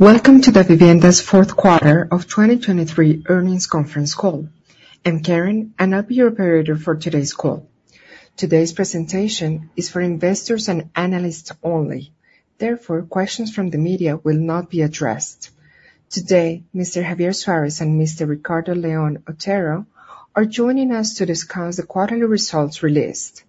Welcome to Davivienda's fourth quarter of 2023 earnings conference call. I'm Karen, and I'll be your operator for today's call. Today's presentation is for investors and analysts only. Therefore, questions from the media will not be addressed. Today, Mr. Javier Suárez and Mr. Ricardo León Otero are joining us to discuss the quarterly results released.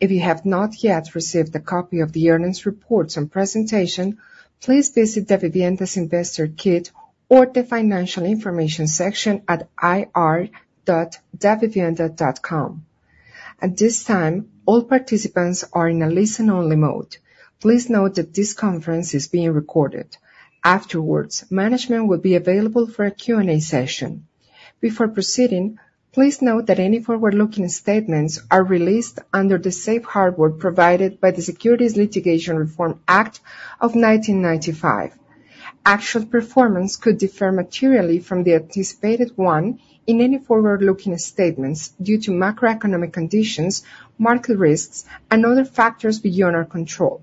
If you have not yet received a copy of the earnings reports and presentation, please visit Davivienda's investor kit or the financial information section at ir.davivienda.com. At this time, all participants are in a listen-only mode. Please note that this conference is being recorded. Afterwards, management will be available for a Q&A session. Before proceeding, please note that any forward-looking statements are released under the safe harbor provided by the Securities Litigation Reform Act of 1995. Actual performance could differ materially from the anticipated one in any forward-looking statements due to macroeconomic conditions, market risks, and other factors beyond our control.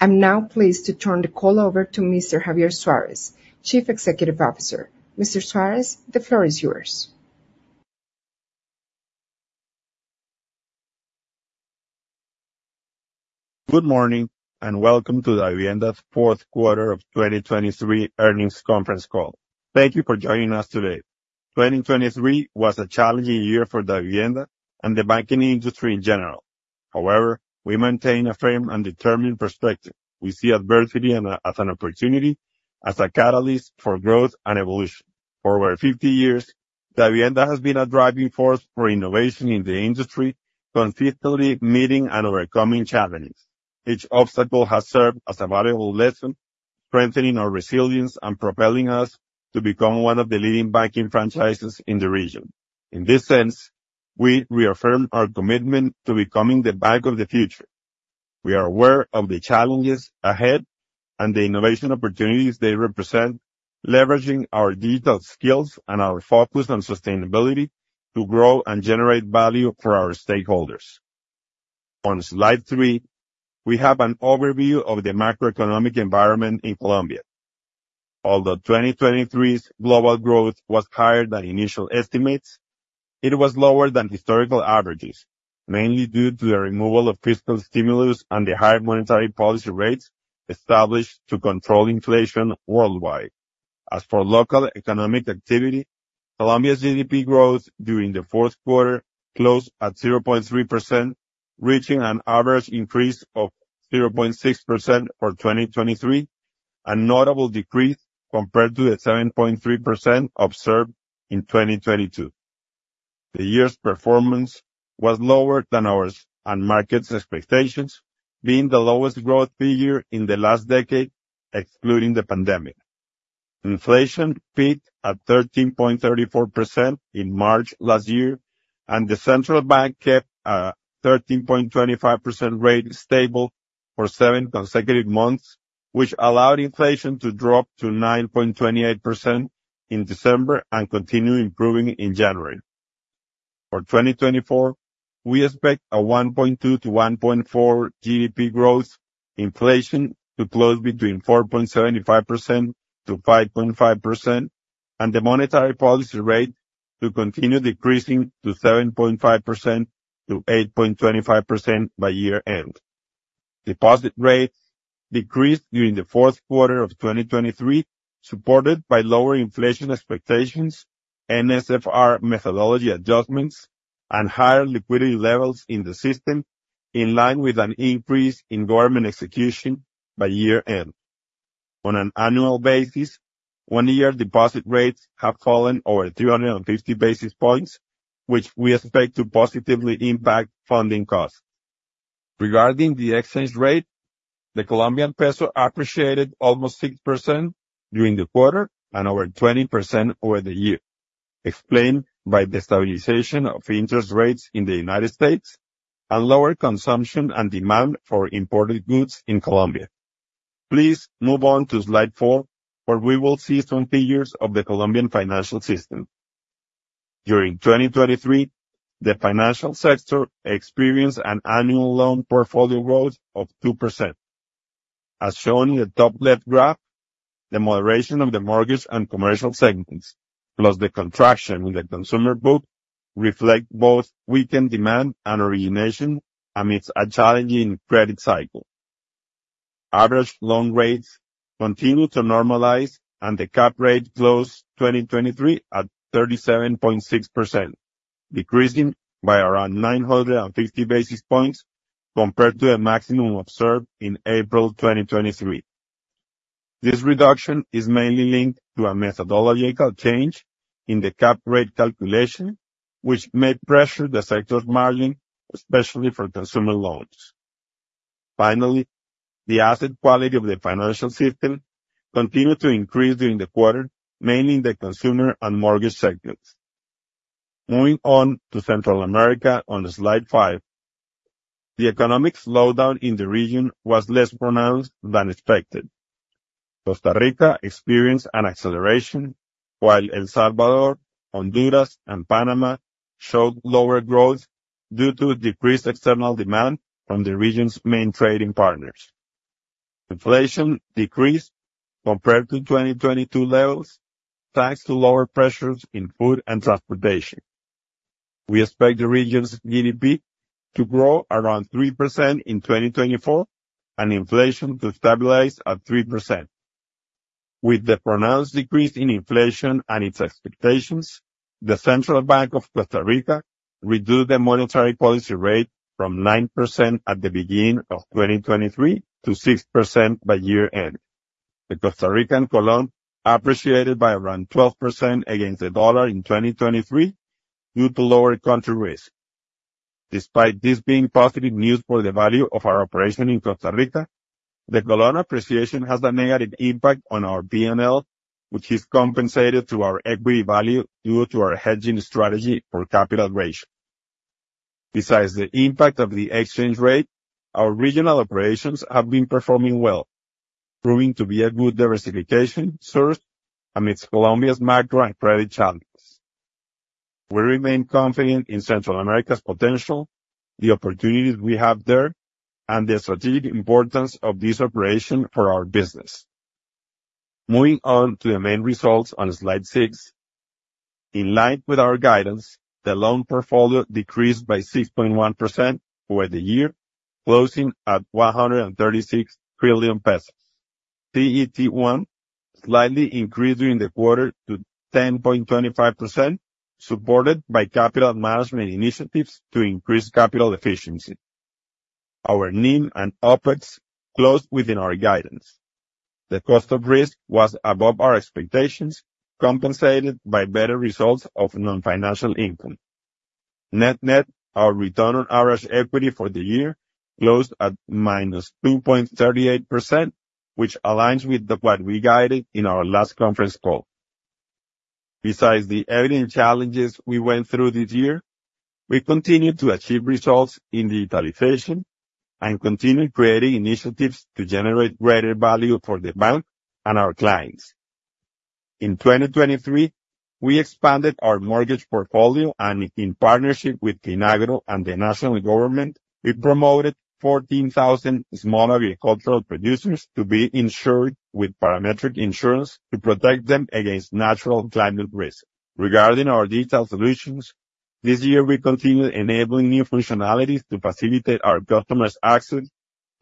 I'm now pleased to turn the call over to Mr. Javier Suárez, Chief Executive Officer. Mr. Suárez, the floor is yours. Good morning and welcome to Davivienda's fourth quarter of 2023 earnings conference call. Thank you for joining us today. 2023 was a challenging year for Davivienda and the banking industry in general. However, we maintain a firm and determined perspective: we see adversity as an opportunity, as a catalyst for growth and evolution. For over 50 years, Davivienda has been a driving force for innovation in the industry, consistently meeting and overcoming challenges. Each obstacle has served as a valuable lesson, strengthening our resilience and propelling us to become one of the leading banking franchises in the region. In this sense, we reaffirm our commitment to becoming the bank of the future. We are aware of the challenges ahead and the innovation opportunities they represent, leveraging our digital skills and our focus on sustainability to grow and generate value for our stakeholders. On slide 3, we have an overview of the macroeconomic environment in Colombia. Although 2023's global growth was higher than initial estimates, it was lower than historical averages, mainly due to the removal of fiscal stimulus and the high monetary policy rates established to control inflation worldwide. As for local economic activity, Colombia's GDP growth during the fourth quarter closed at 0.3%, reaching an average increase of 0.6% for 2023, a notable decrease compared to the 7.3% observed in 2022. The year's performance was lower than ours and market's expectations, being the lowest growth figure in the last decade excluding the pandemic. Inflation peaked at 13.34% in March last year, and the central bank kept a 13.25% rate stable for seven consecutive months, which allowed inflation to drop to 9.28% in December and continue improving in January. For 2024, we expect a 1.2%-1.4% GDP growth, inflation to close between 4.75%-5.5%, and the monetary policy rate to continue decreasing to 7.5%-8.25% by year-end. Deposit rates decreased during the fourth quarter of 2023, supported by lower inflation expectations, NSFR methodology adjustments, and higher liquidity levels in the system, in line with an increase in government execution by year-end. On an annual basis, one-year deposit rates have fallen over 350 basis points, which we expect to positively impact funding costs. Regarding the exchange rate, the Colombian peso appreciated almost 6% during the quarter and over 20% over the year, explained by the stabilization of interest rates in the United States and lower consumption and demand for imported goods in Colombia. Please move on to slide four, where we will see some figures of the Colombian financial system. During 2023, the financial sector experienced an annual loan portfolio growth of 2%. As shown in the top-left graph, the moderation of the mortgage and commercial segments, plus the contraction in the consumer book, reflect both weakened demand and origination amidst a challenging credit cycle. Average loan rates continue to normalize, and the cap rate closed 2023 at 37.6%, decreasing by around 950 basis points compared to the maximum observed in April 2023. This reduction is mainly linked to a methodological change in the cap rate calculation, which may pressure the sector's margin, especially for consumer loans. Finally, the asset quality of the financial system continued to increase during the quarter, mainly in the consumer and mortgage segments. Moving on to Central America on slide five, the economic slowdown in the region was less pronounced than expected. Costa Rica experienced an acceleration, while El Salvador, Honduras, and Panama showed lower growth due to decreased external demand from the region's main trading partners. Inflation decreased compared to 2022 levels thanks to lower pressures in food and transportation. We expect the region's GDP to grow around 3% in 2024 and inflation to stabilize at 3%. With the pronounced decrease in inflation and its expectations, the Central Bank of Costa Rica reduced the monetary policy rate from 9% at the beginning of 2023 to 6% by year-end. The Costa Rican colón appreciated by around 12% against the dollar in 2023 due to lower country risk. Despite this being positive news for the value of our operation in Costa Rica, the colón appreciation has a negative impact on our P&L, which is compensated through our equity value due to our hedging strategy for capital ratio. Besides the impact of the exchange rate, our regional operations have been performing well, proving to be a good diversification source amidst Colombia's macro and credit challenges. We remain confident in Central America's potential, the opportunities we have there, and the strategic importance of this operation for our business. Moving on to the main results on slide six, in line with our guidance, the loan portfolio decreased by 6.1% over the year, closing at COP 136 trillion. CET1 slightly increased during the quarter to 10.25%, supported by capital management initiatives to increase capital efficiency. Our NIM and OPEX closed within our guidance. The cost of risk was above our expectations, compensated by better results of non-financial income. Net-net, our return on average equity for the year closed at -2.38%, which aligns with what we guided in our last conference call. Besides the evident challenges we went through this year, we continue to achieve results in digitalization and continue creating initiatives to generate greater value for the bank and our clients. In 2023, we expanded our mortgage portfolio and, in partnership with Finagro and the national government, we promoted 14,000 smaller agricultural producers to be insured with parametric insurance to protect them against natural climate risks. Regarding our digital solutions, this year we continued enabling new functionalities to facilitate our customers' access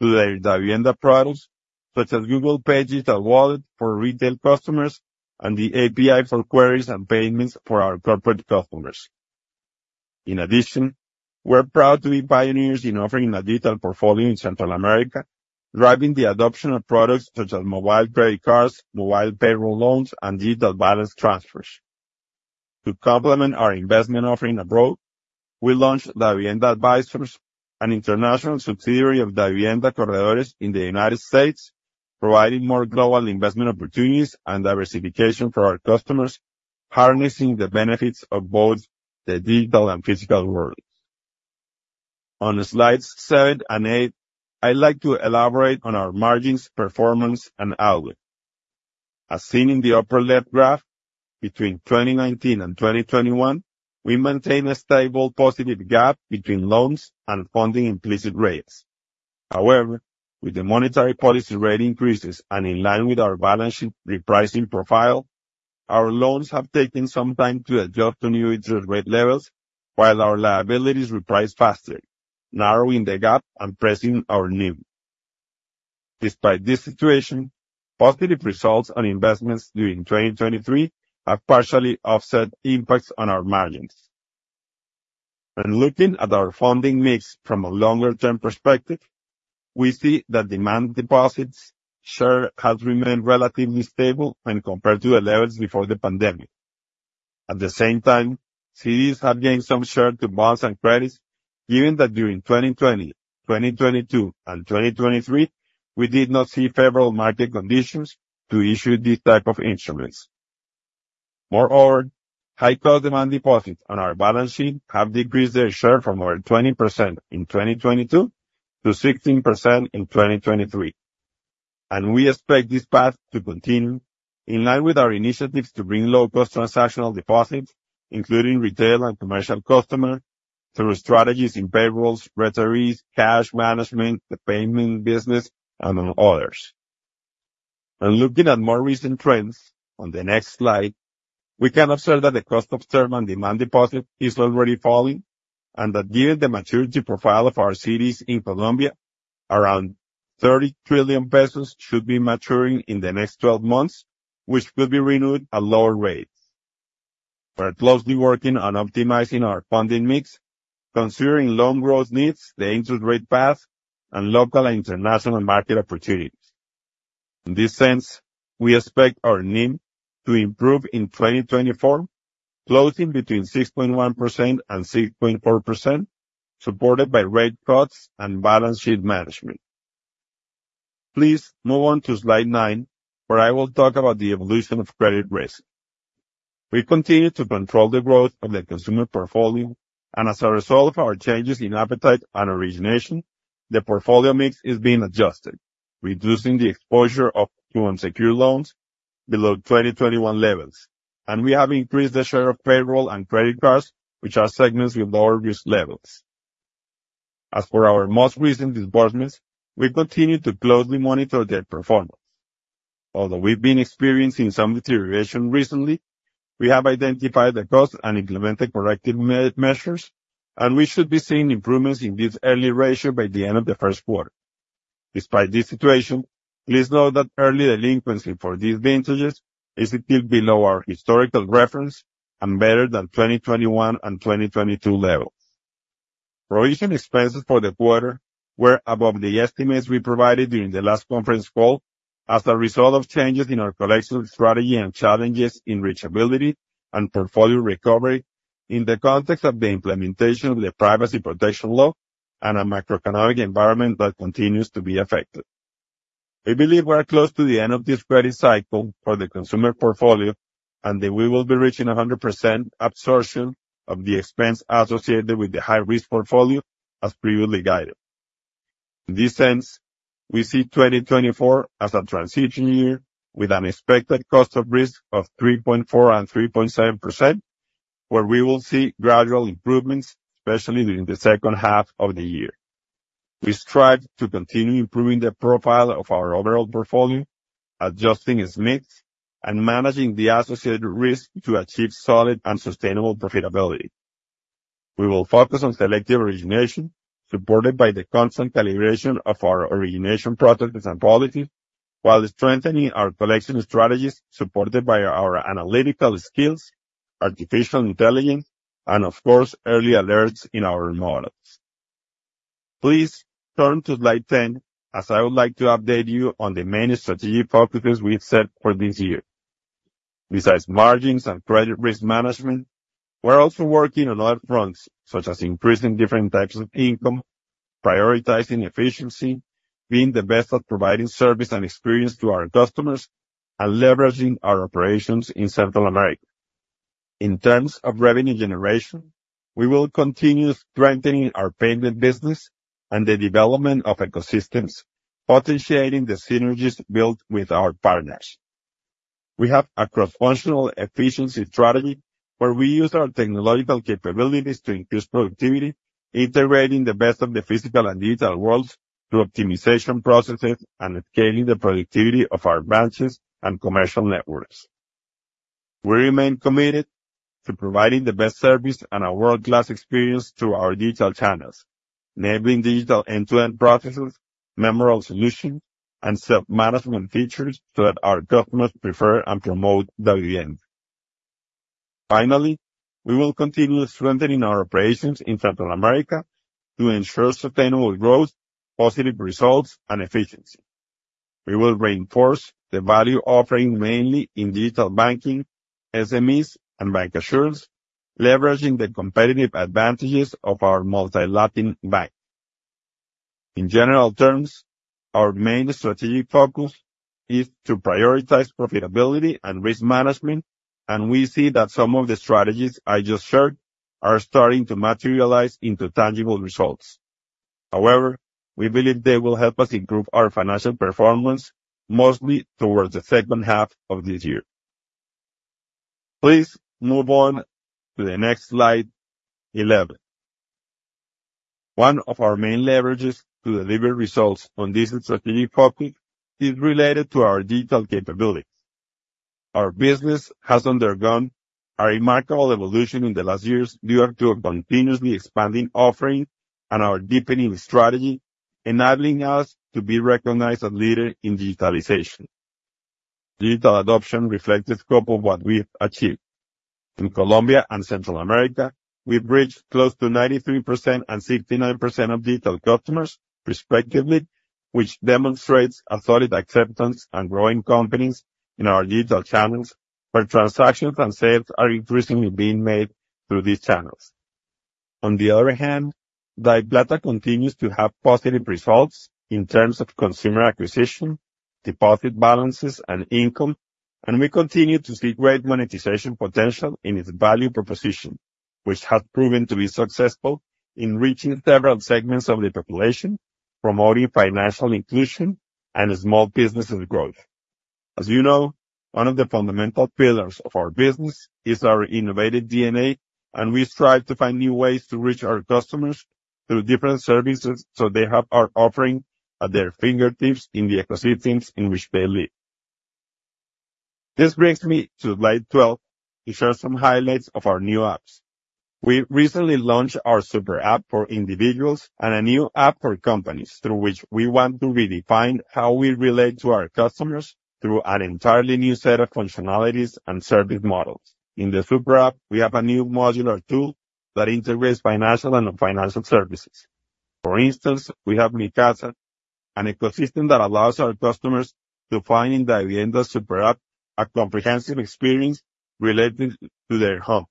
to their Davivienda products, such as Google Pay Digital Wallet for retail customers and the API for queries and payments for our corporate customers. In addition, we're proud to be pioneers in offering a digital portfolio in Central America, driving the adoption of products such as mobile credit cards, mobile payroll loans, and digital balance transfers. To complement our investment offering abroad, we launched Davivienda Advisors, an international subsidiary of Davivienda Corredores in the United States, providing more global investment opportunities and diversification for our customers, harnessing the benefits of both the digital and physical worlds. On slides seven and eight, I'd like to elaborate on our margins, performance, and outlook. As seen in the upper-left graph, between 2019 and 2021, we maintained a stable positive gap between loans and funding implicit rates. However, with the monetary policy rate increases and in line with our balance sheet repricing profile, our loans have taken some time to adjust to new interest rate levels, while our liabilities repriced faster, narrowing the gap and pressing our NIM. Despite this situation, positive results on investments during 2023 have partially offset impacts on our margins. When looking at our funding mix from a longer-term perspective, we see that demand deposits share has remained relatively stable when compared to the levels before the pandemic. At the same time, CDs have gained some share to bonds and credits, given that during 2020, 2022, and 2023 we did not see favorable market conditions to issue these types of instruments. Moreover, high-cost demand deposits on our balance sheet have decreased their share from over 20% in 2022 to 16% in 2023, and we expect this path to continue, in line with our initiatives to bring low-cost transactional deposits, including retail and commercial customers, through strategies in payrolls, retirees, cash management, the payment business, among others. When looking at more recent trends on the next slide, we can observe that the cost of term and demand deposit is already falling, and that given the maturity profile of our CDs in Colombia, around COP 30 trillion should be maturing in the next 12 months, which could be renewed at lower rates. We're closely working on optimizing our funding mix, considering loan growth needs, the interest rate path, and local and international market opportunities. In this sense, we expect our NIM to improve in 2024, closing between 6.1%-6.4%, supported by rate cuts and balance sheet management. Please move on to slide nine, where I will talk about the evolution of credit risk. We continue to control the growth of the consumer portfolio, and as a result of our changes in appetite and origination, the portfolio mix is being adjusted, reducing the exposure to unsecured loans below 2021 levels, and we have increased the share of payroll and credit cards, which are segments with lower risk levels. As for our most recent disbursements, we continue to closely monitor their performance. Although we've been experiencing some deterioration recently, we have identified the costs and implemented corrective measures, and we should be seeing improvements in this early ratio by the end of the first quarter. Despite this situation, please note that early delinquency for these vintages is still below our historical reference and better than 2021 and 2022 levels. Provision expenses for the quarter were above the estimates we provided during the last conference call as a result of changes in our collection strategy and challenges in reachability and portfolio recovery in the context of the implementation of the Privacy Protection Law and a macroeconomic environment that continues to be affected. We believe we're close to the end of this credit cycle for the consumer portfolio, and that we will be reaching 100% absorption of the expense associated with the high-risk portfolio, as previously guided. In this sense, we see 2024 as a transition year with an expected cost of risk of 3.4% and 3.7%, where we will see gradual improvements, especially during the second half of the year. We strive to continue improving the profile of our overall portfolio, adjusting its mix, and managing the associated risk to achieve solid and sustainable profitability. We will focus on selective origination, supported by the constant calibration of our origination processes and policies, while strengthening our collection strategies supported by our analytical skills, artificial intelligence, and, of course, early alerts in our models. Please turn to slide 10, as I would like to update you on the main strategic focuses we've set for this year. Besides margins and credit risk management, we're also working on other fronts, such as increasing different types of income, prioritizing efficiency, being the best at providing service and experience to our customers, and leveraging our operations in Central America. In terms of revenue generation, we will continue strengthening our payment business and the development of ecosystems, potentiating the synergies built with our partners. We have a cross-functional efficiency strategy where we use our technological capabilities to increase productivity, integrating the best of the physical and digital worlds through optimization processes and scaling the productivity of our branches and commercial networks. We remain committed to providing the best service and a world-class experience through our digital channels, enabling digital end-to-end processes, memorable solutions, and self-management features so that our customers prefer and promote Davivienda. Finally, we will continue strengthening our operations in Central America to ensure sustainable growth, positive results, and efficiency. We will reinforce the value offering mainly in digital banking, SMEs, and Bancassurance, leveraging the competitive advantages of our multilatin bank. In general terms, our main strategic focus is to prioritize profitability and risk management, and we see that some of the strategies I just shared are starting to materialize into tangible results. However, we believe they will help us improve our financial performance, mostly towards the second half of this year. Please move on to the next slide 11. One of our main leverages to deliver results on this strategic focus is related to our digital capabilities. Our business has undergone a remarkable evolution in the last years due to our continuously expanding offering and our deepening strategy, enabling us to be recognized as leaders in digitalization. Digital adoption reflects the scope of what we've achieved. In Colombia and Central America, we've reached close to 93% and 69% of digital customers, respectively, which demonstrates a solid acceptance and growing confidence in our digital channels, where transactions and sales are increasingly being made through these channels. On the other hand, DaviPlata continues to have positive results in terms of consumer acquisition, deposit balances, and income, and we continue to see great monetization potential in its value proposition, which has proven to be successful in reaching several segments of the population, promoting financial inclusion, and small businesses' growth. As you know, one of the fundamental pillars of our business is our innovative DNA, and we strive to find new ways to reach our customers through different services so they have our offering at their fingertips in the ecosystems in which they live. This brings me to slide 12, to share some highlights of our new apps. We recently launched our Super App for individuals and a new app for companies, through which we want to redefine how we relate to our customers through an entirely new set of functionalities and service models. In the Super App, we have a new modular tool that integrates financial and non-financial services. For instance, we have Mi Casa, an ecosystem that allows our customers to find in Davivienda's Super App a comprehensive experience related to their home.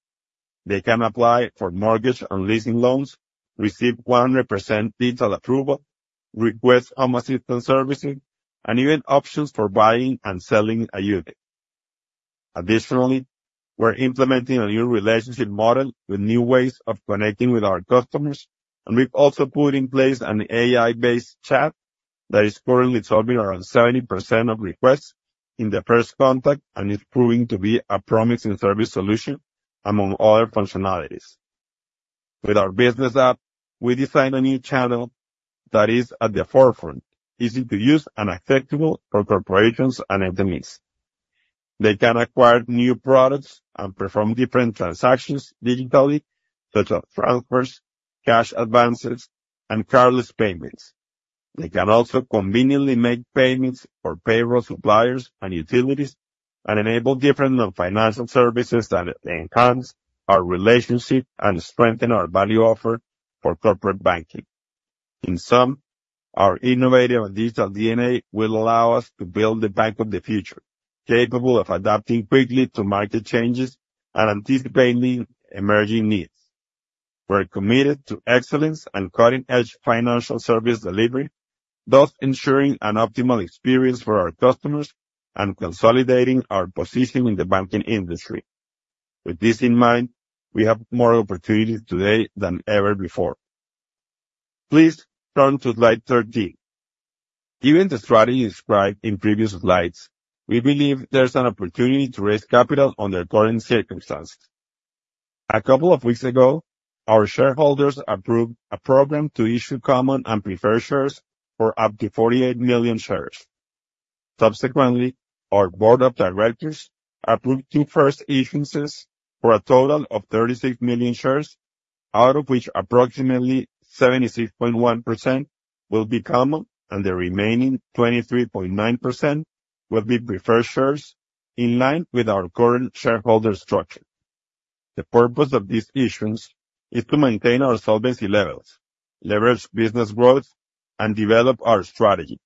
They can apply for mortgage and leasing loans, receive 100% digital approval, request home assistance services, and even options for buying and selling a unit. Additionally, we're implementing a new relationship model with new ways of connecting with our customers, and we've also put in place an AI-based chat that is currently solving around 70% of requests in the first contact and is proving to be a promising service solution, among other functionalities. With our business app, we designed a new channel that is at the forefront, easy to use, and accessible for corporations and SMEs. They can acquire new products and perform different transactions digitally, such as transfers, cash advances, and cardless payments. They can also conveniently make payments for payroll suppliers and utilities, and enable different non-financial services that enhance our relationship and strengthen our value offer for corporate banking. In sum, our innovative and digital DNA will allow us to build the bank of the future, capable of adapting quickly to market changes and anticipating emerging needs. We're committed to excellence and cutting-edge financial service delivery, thus ensuring an optimal experience for our customers and consolidating our position in the banking industry. With this in mind, we have more opportunities today than ever before. Please turn to slide 13. Given the strategy described in previous slides, we believe there's an opportunity to raise capital under current circumstances. A couple of weeks ago, our shareholders approved a program to issue common and preferred shares for up to 48 million shares. Subsequently, our board of directors approved two first issuances for a total of 36 million shares, out of which approximately 76.1% will be common and the remaining 23.9% will be preferred shares, in line with our current shareholder structure. The purpose of these issuances is to maintain our solvency levels, leverage business growth, and develop our strategy.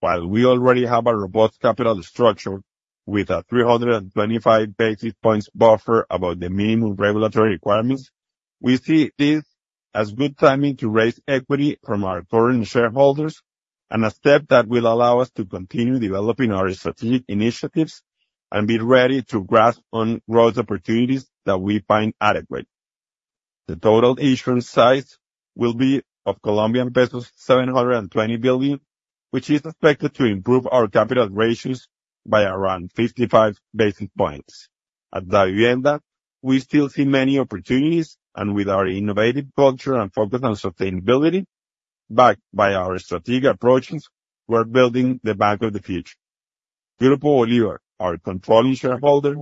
While we already have a robust capital structure with a 325 basis points buffer above the minimum regulatory requirements, we see this as good timing to raise equity from our current shareholders and a step that will allow us to continue developing our strategic initiatives and be ready to grasp on growth opportunities that we find adequate. The total issuance size will be COP 720 billion, which is expected to improve our capital ratios by around 55 basis points. At Davivienda, we still see many opportunities, and with our innovative culture and focus on sustainability, backed by our strategic approaches, we're building the bank of the future. Grupo Bolívar, our controlling shareholder,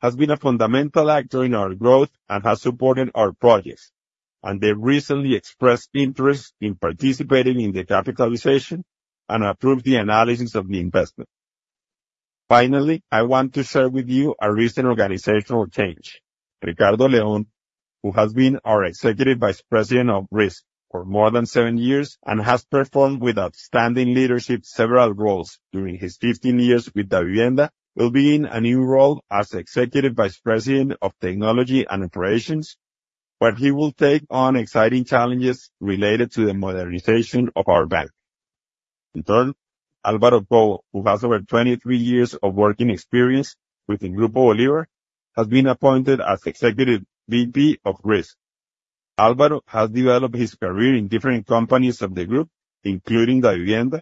has been a fundamental actor in our growth and has supported our projects, and they've recently expressed interest in participating in the capitalization and approved the analysis of the investment. Finally, I want to share with you a recent organizational change. Ricardo León, who has been our Executive Vice President of Risk for more than seven years and has performed with outstanding leadership several roles during his 15 years with Davivienda, will begin a new role as Executive Vice President of Technology and Operations, where he will take on exciting challenges related to the modernization of our bank. In turn, Álvaro Cobo, who has over 23 years of working experience within Grupo Bolívar, has been appointed as Executive VP of Risk. Álvaro has developed his career in different companies of the group, including Davivienda,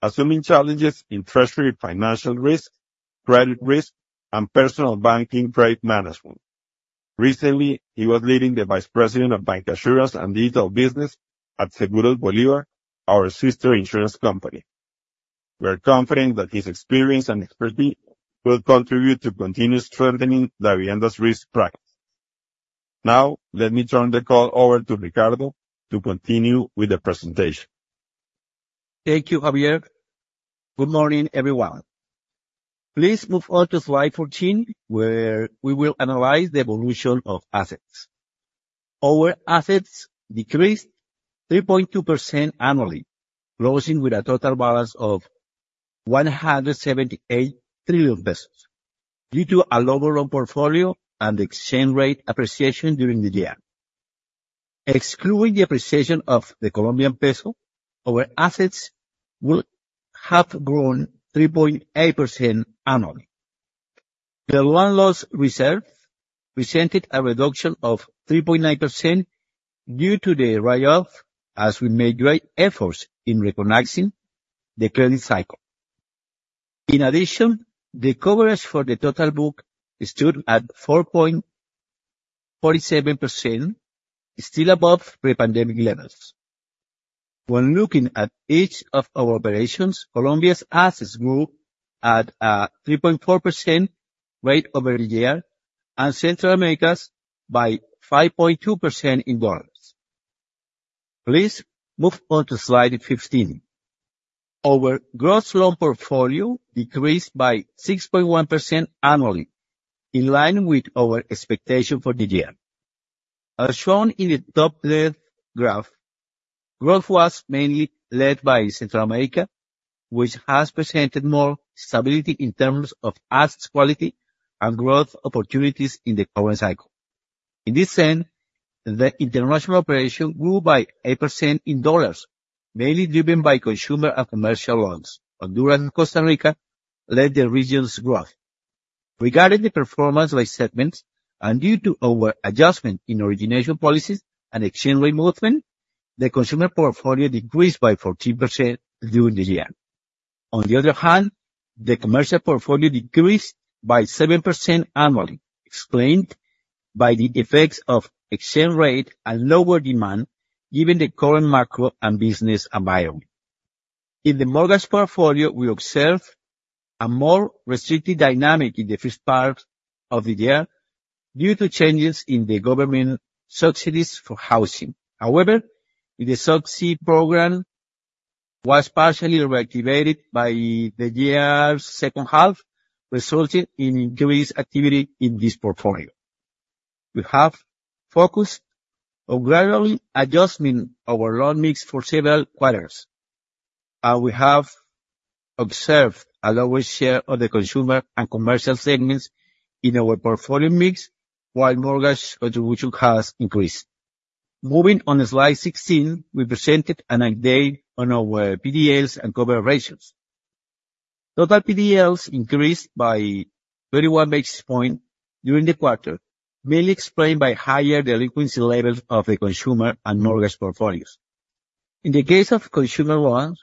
assuming challenges in treasury financial risk, credit risk, and personal banking credit management. Recently, he was leading the Vice President of Bancassurance and Digital Business at Seguros Bolívar, our sister insurance company. We're confident that his experience and expertise will contribute to continuous strengthening Davivienda's risk practices. Now, let me turn the call over to Ricardo to continue with the presentation. Thank you, Javier. Good morning, everyone. Please move on to slide 14, where we will analyze the evolution of assets. Our assets decreased 3.2% annually, closing with a total balance of COP 178 trillion due to a lower loan portfolio and exchange rate appreciation during the year. Excluding the appreciation of the Colombian peso, our assets will have grown 3.8% annually. The loan loss reserve presented a reduction of 3.9% due to the write-off as we made great efforts in reconnecting the credit cycle. In addition, the coverage for the total book stood at 4.47%, still above pre-pandemic levels. When looking at each of our operations, Colombia's assets grew at a 3.4% rate over the year and Central America's by 5.2% in dollars. Please move on to slide 15. Our gross loan portfolio decreased by 6.1% annually, in line with our expectation for the year. As shown in the top left graph, growth was mainly led by Central America, which has presented more stability in terms of asset quality and growth opportunities in the current cycle. In this sense, the international operation grew by 8% in dollars, mainly driven by consumer and commercial loans. Honduras and Costa Rica led the region's growth. Regarding the performance by segments, and due to our adjustment in origination policies and exchange rate movement, the consumer portfolio decreased by 14% during the year. On the other hand, the commercial portfolio decreased by 7% annually, explained by the effects of exchange rate and lower demand given the current macro and business environment. In the mortgage portfolio, we observed a more restrictive dynamic in the first part of the year due to changes in the government subsidies for housing. However, the subsidy program was partially reactivated by the year's second half, resulting in increased activity in this portfolio. We have focused on gradually adjusting our loan mix for several quarters, and we have observed a lower share of the consumer and commercial segments in our portfolio mix while mortgage contribution has increased. Moving on to slide 16, we presented an update on our PDLs and cover ratios. Total PDLs increased by 31 basis points during the quarter, mainly explained by higher delinquency levels of the consumer and mortgage portfolios. In the case of consumer loans,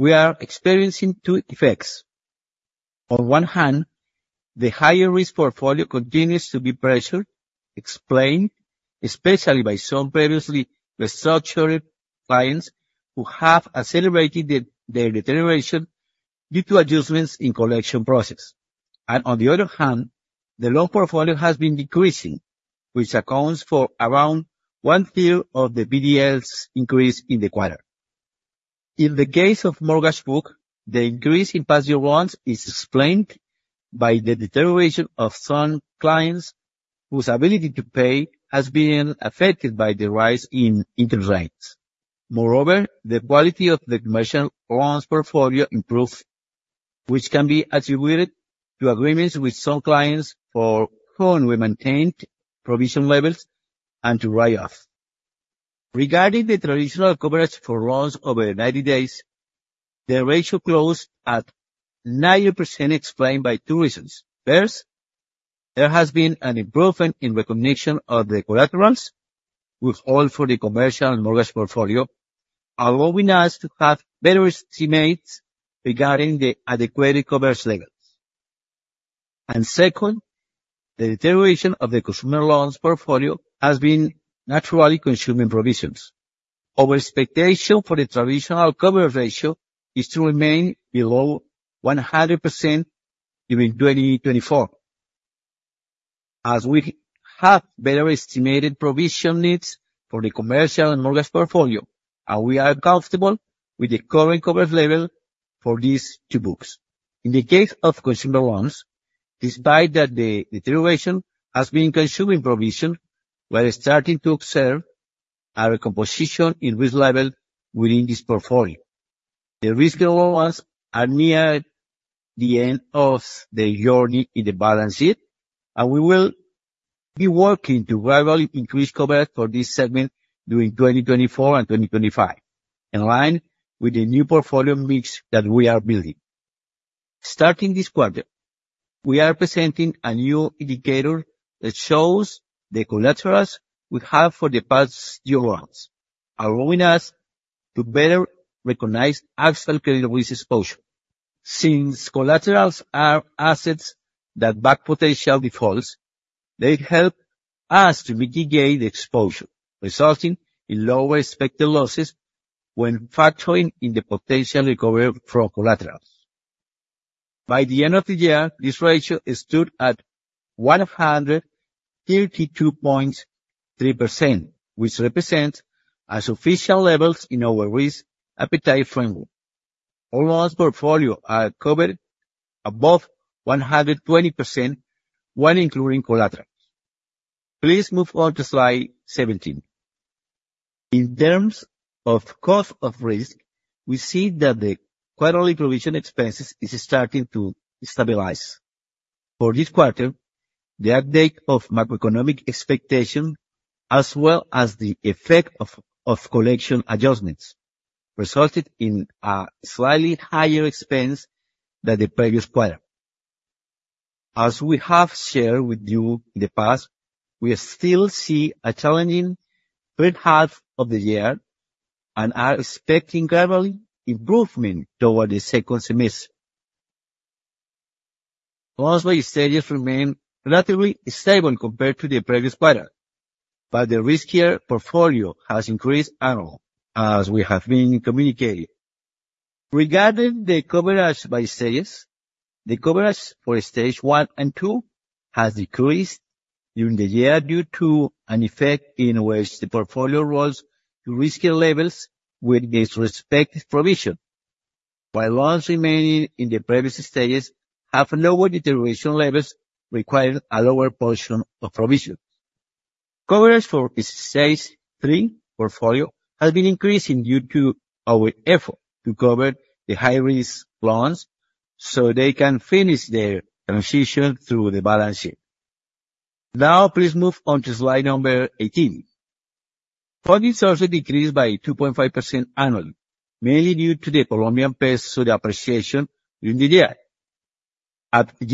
we are experiencing two effects. On one hand, the higher risk portfolio continues to be pressured, explained especially by some previously restructured clients who have accelerated their deterioration due to adjustments in collection process. On the other hand, the loan portfolio has been decreasing, which accounts for around one-third of the PDLs increased in the quarter. In the case of mortgage book, the increase in past due loans is explained by the deterioration of some clients whose ability to pay has been affected by the rise in interest rates. Moreover, the quality of the commercial loans portfolio improved, which can be attributed to agreements with some clients for maintaining provision levels and to write-offs. Regarding the traditional coverage for loans over 90 days, the ratio closed at 90%, explained by two reasons. First, there has been an improvement in recognition of the collaterals, with hold for the commercial and mortgage portfolio, allowing us to have better estimates regarding the adequate coverage levels. Second, the deterioration of the consumer loans portfolio has been naturally consuming provisions. Our expectation for the traditional coverage ratio is to remain below 100% during 2024, as we have better estimated provision needs for the commercial and mortgage portfolio, and we are comfortable with the current coverage level for these two books. In the case of consumer loans, despite the deterioration has been consuming provision, we're starting to observe a recomposition in risk level within this portfolio. The risk loans are near the end of the journey in the balance sheet, and we will be working to gradually increase coverage for this segment during 2024 and 2025, in line with the new portfolio mix that we are building. Starting this quarter, we are presenting a new indicator that shows the collaterals we have for the past-due loans, allowing us to better recognize actual credit risk exposure. Since collaterals are assets that back potential defaults, they help us to mitigate the exposure, resulting in lower expected losses when factoring in the potential recovery from collaterals. By the end of the year, this ratio stood at 132.3%, which represents a sufficient level in our risk appetite framework. All loans portfolio are covered above 120% while including collaterals. Please move on to slide 17. In terms of cost of risk, we see that the quarterly provision expenses are starting to stabilize. For this quarter, the update of macroeconomic expectations as well as the effect of collection adjustments resulted in a slightly higher expense than the previous quarter. As we have shared with you in the past, we still see a challenging third half of the year and are expecting gradually improvement toward the second semester. Loans by stages remain relatively stable compared to the previous quarter, but the riskier portfolio has increased annually, as we have been communicating. Regarding the coverage by stages, the coverage for stage one and two has decreased during the year due to an effect in which the portfolio rolls to riskier levels with its respective provision, while loans remaining in the previous stages have lower deterioration levels requiring a lower portion of provisions. Coverage for stage three portfolio has been increasing due to our effort to cover the high-risk loans so they can finish their transition through the balance sheet. Now, please move on to slide number 18. Funding sources decreased by 2.5% annually, mainly due to the Colombian peso's appreciation during the year. At the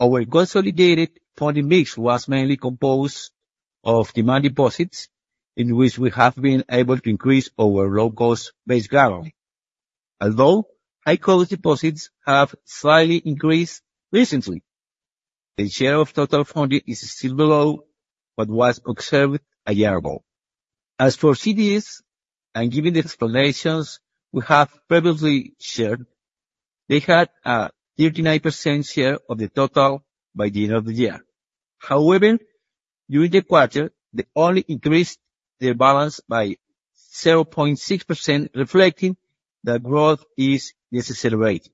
year-end, our consolidated funding mix was mainly composed of demand deposits, in which we have been able to increase our low-cost base guarantee, although high-cost deposits have slightly increased recently. The share of total funding is still below what was observed a year ago. As for CDs, and given the explanations we have previously shared, they had a 39% share of the total by the end of the year. However, during the quarter, they only increased their balance by 0.6%, reflecting that growth is necessary rate.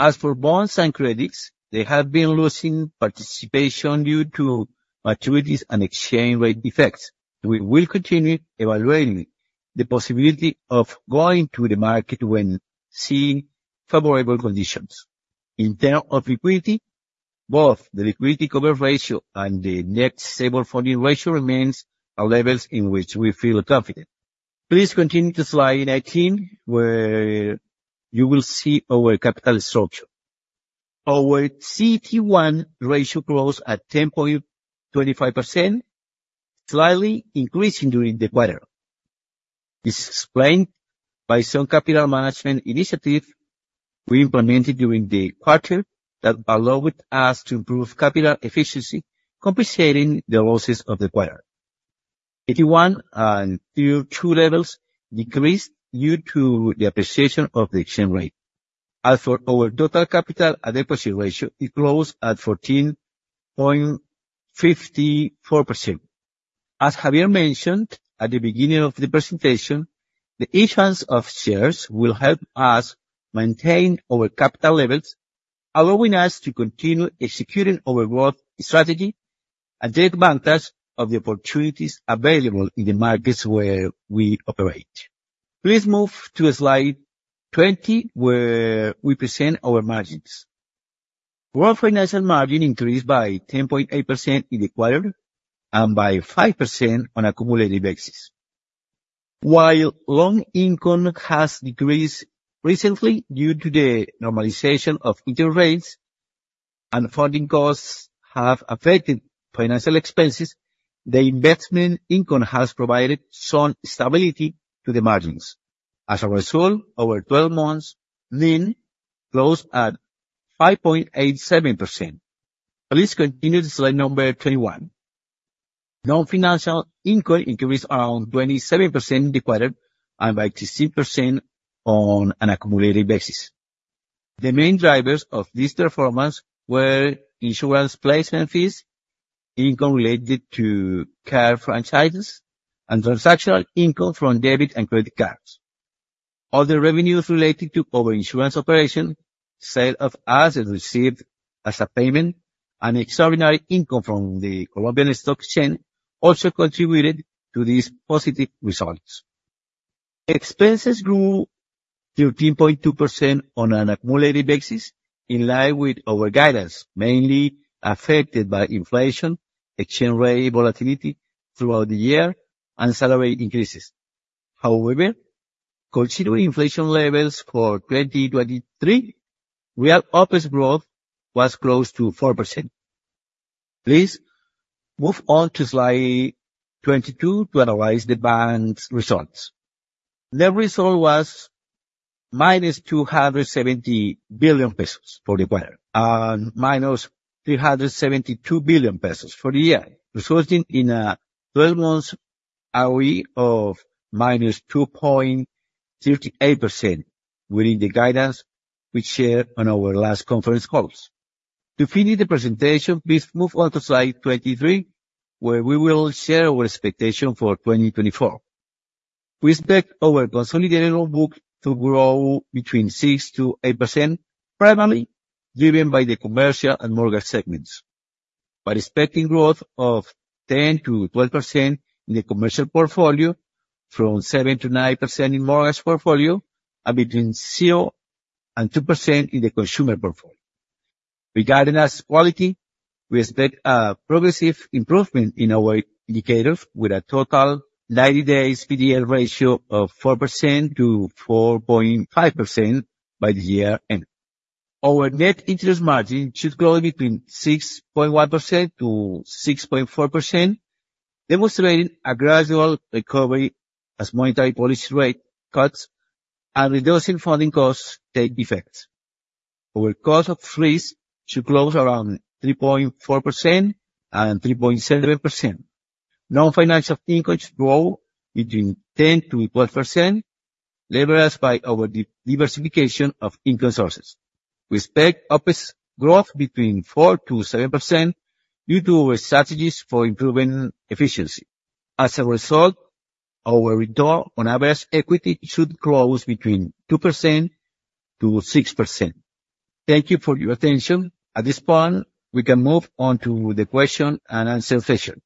As for bonds and credits, they have been losing participation due to maturities and exchange rate effects. We will continue evaluating the possibility of going to the market when seeing favorable conditions. In terms of liquidity, both the liquidity coverage ratio and the net stable funding ratio remain at levels in which we feel confident. Please continue to slide 19, where you will see our capital structure. Our CT1 ratio closed at 10.25%, slightly increasing during the quarter. This is explained by some capital management initiatives we implemented during the quarter that allowed us to improve capital efficiency, compensating the losses of the quarter. CT1 and Tier 2 levels decreased due to the appreciation of the exchange rate. As for our Total Capital Adequacy Ratio, it closed at 14.54%. As Javier mentioned at the beginning of the presentation, the issuance of shares will help us maintain our capital levels, allowing us to continue executing our growth strategy and take advantage of the opportunities available in the markets where we operate. Please move to slide 20, where we present our margins. Gross financial margin increased by 10.8% in the quarter and by 5% on an accumulative basis. While loan income has decreased recently due to the normalization of interest rates and funding costs have affected financial expenses, the investment income has provided some stability to the margins. As a result, over 12 months, NIM closed at 5.87%. Please continue to slide number 21. Non-financial income increased around 27% in the quarter and by 16% on an accumulative basis. The main drivers of this performance were insurance placement fees, income related to car franchises, and transactional income from debit and credit cards. Other revenues related to our insurance operation, sale of assets received as a payment, and extraordinary income from the Colombian stock exchange also contributed to these positive results. Expenses grew 13.2% on an accumulative basis in line with our guidance, mainly affected by inflation, exchange rate volatility throughout the year, and salary increases. However, considering inflation levels for 2023, real OPEX growth was close to 4%. Please move on to slide 22 to analyze the bank's results. Net result was -COP 270 billion for the quarter and -COP 372 billion for the year, resulting in a 12-month ROE of -2.38% within the guidance we shared on our last conference calls. To finish the presentation, please move on to slide 23, where we will share our expectation for 2024. We expect our consolidated loan book to grow 6%-8%, primarily driven by the commercial and mortgage segments. We're expecting growth of 10%-12% in the commercial portfolio, 7%-9% in mortgage portfolio, and 0%-2% in the consumer portfolio. Regarding asset quality, we expect a progressive improvement in our indicators with a total 90-day PDL ratio of 4%-4.5% by the year-end. Our net interest margin should grow between 6.1%-6.4%, demonstrating a gradual recovery as monetary policy rate cuts and reducing funding costs take effect. Our cost of risk should close around 3.4% and 3.7%. Non-financial income should grow between 10%-12%, leveraged by our diversification of income sources. We expect OPEX growth between 4%-7% due to our strategies for improving efficiency. As a result, our return on average equity should close between 2%-6%. Thank you for your attention. At this point, we can move on to the question and answer session.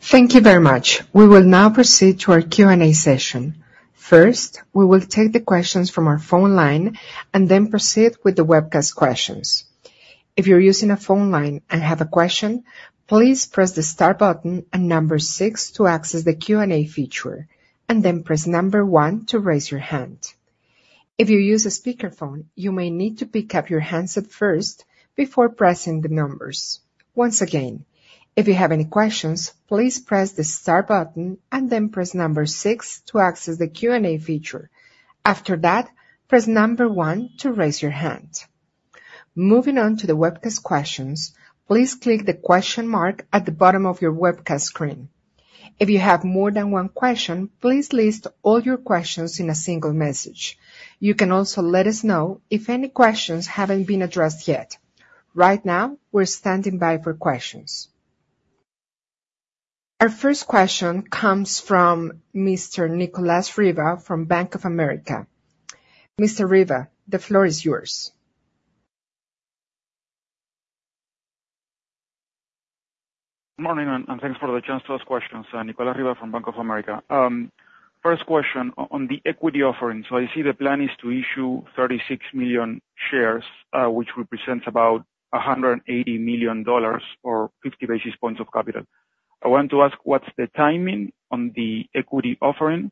Thank you very much. We will now proceed to our Q&A session. First, we will take the questions from our phone line and then proceed with the webcast questions. If you're using a phone line and have a question, please press the start button and number six to access the Q&A feature, and then press number one to raise your hand. If you use a speakerphone, you may need to pick up your handset first before pressing the numbers. Once again, if you have any questions, please press the start button and then press number six to access the Q&A feature. After that, press number one to raise your hand. Moving on to the webcast questions, please click the question mark at the bottom of your webcast screen. If you have more than one question, please list all your questions in a single message. You can also let us know if any questions haven't been addressed yet. Right now, we're standing by for questions. Our first question comes from Mr. Nicolás Riva from Bank of America. Mr. Riva, the floor is yours. Good morning, and thanks for the chance to ask questions. Nicolás Riva from Bank of America. First question, on the equity offering, so I see the plan is to issue 36 million shares, which represents about $180 million or 50 basis points of capital. I wanted to ask what's the timing on the equity offering.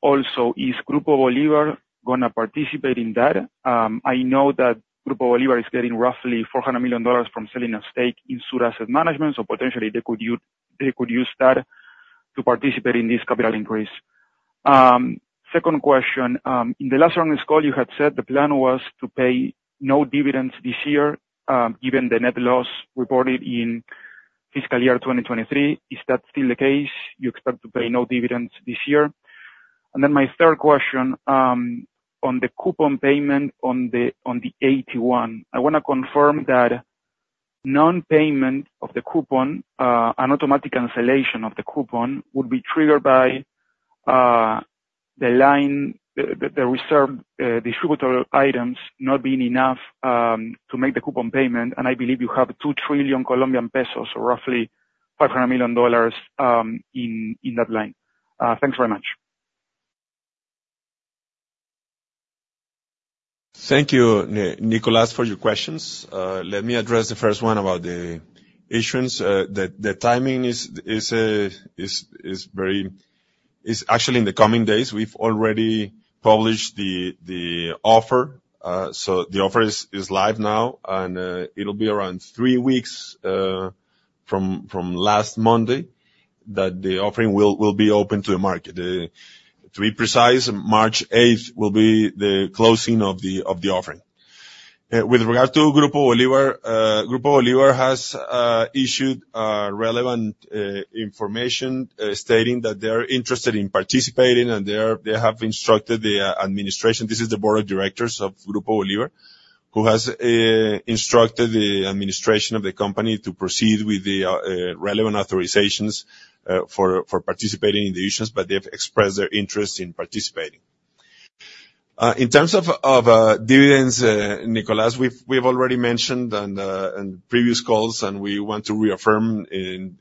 Also, is Grupo Bolívar going to participate in that? I know that Grupo Bolívar is getting roughly $400 million from selling a stake in Sura Asset Management, so potentially they could use that to participate in this capital increase. Second question, in the last round of the call, you had said the plan was to pay no dividends this year given the net loss reported in fiscal year 2023. Is that still the case? You expect to pay no dividends this year? Then my third question, on the coupon payment on the AT1, I want to confirm that non-payment of the coupon, an automatic cancellation of the coupon, would be triggered by the distributable items not being enough to make the coupon payment, and I believe you have COP 2 trillion, or roughly $500 million, in that line. Thanks very much. Thank you, Nicolás, for your questions. Let me address the first one about the issuance. The timing is actually in the coming days. We've already published the offer, so the offer is live now, and it'll be around three weeks from last Monday that the offering will be open to the market. To be precise, March 8th will be the closing of the offering. With regard to Grupo Bolívar, Grupo Bolívar has issued relevant information stating that they're interested in participating, and they have instructed the administration. This is the board of directors of Grupo Bolívar, who has instructed the administration of the company to proceed with the relevant authorizations for participating in the issuance, but they've expressed their interest in participating. In terms of dividends, Nicolás, we've already mentioned on previous calls, and we want to reaffirm in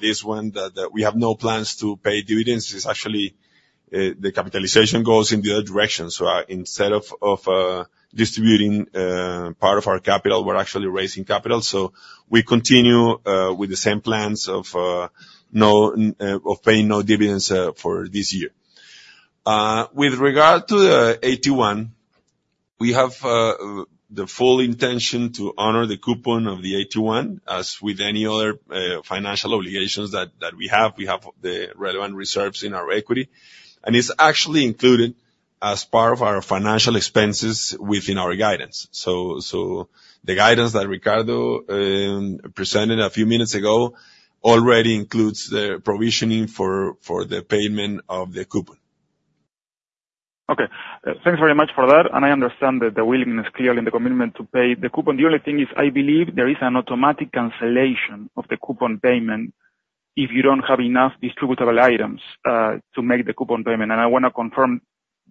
this one that we have no plans to pay dividends. It's actually the capitalization goes in the other direction. So instead of distributing part of our capital, we're actually raising capital. So we continue with the same plans of paying no dividends for this year. With regard to the AT1, we have the full intention to honor the coupon of the AT1 as with any other financial obligations that we have. We have the relevant reserves in our equity, and it's actually included as part of our financial expenses within our guidance. So the guidance that Ricardo presented a few minutes ago already includes the provisioning for the payment of the coupon. Okay. Thanks very much for that. And I understand that the willingness, clearly, and the commitment to pay the coupon. The only thing is, I believe there is an automatic cancellation of the coupon payment if you don't have enough distributable items to make the coupon payment. And I want to confirm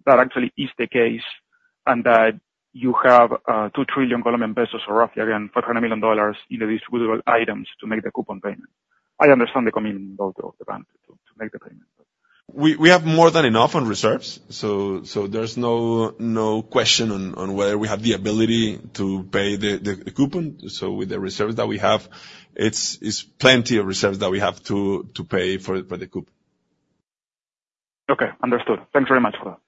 that actually is the case and that you have COP 2 trillion, or roughly, again, $500 million, in the distributable items to make the coupon payment. I understand the commitment of the bank to make the payment. We have more than enough on reserves, so there's no question on whether we have the ability to pay the coupon. With the reserves that we have, it's plenty of reserves that we have to pay for the coupon. Okay. Understood. Thanks very much for that.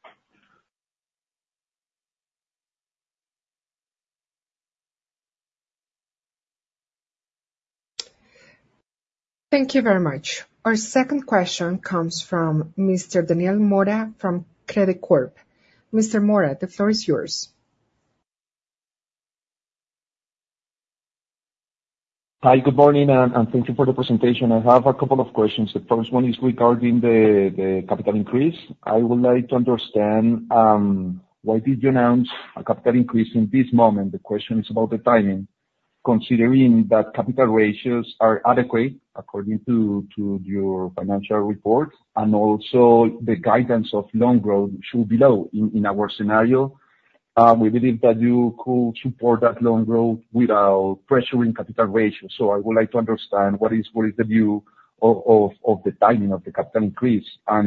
Thank you very much. Our second question comes from Mr. Daniel Mora from Credicorp Capital. Mr. Mora, the floor is yours. Hi. Good morning, and thank you for the presentation. I have a couple of questions. The first one is regarding the capital increase. I would like to understand why did you announce a capital increase in this moment? The question is about the timing. Considering that capital ratios are adequate according to your financial report and also the guidance of loan growth should be low in our scenario, we believe that you could support that loan growth without pressuring capital ratios. So I would like to understand what is the view of the timing of the capital increase? I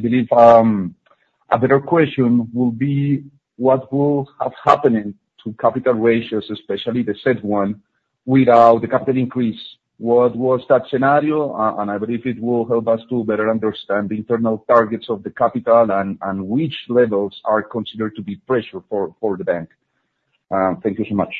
believe a better question will be what will have happened to capital ratios, especially the said one, without the capital increase. What was that scenario? I believe it will help us to better understand the internal targets of the capital and which levels are considered to be pressure for the bank. Thank you so much.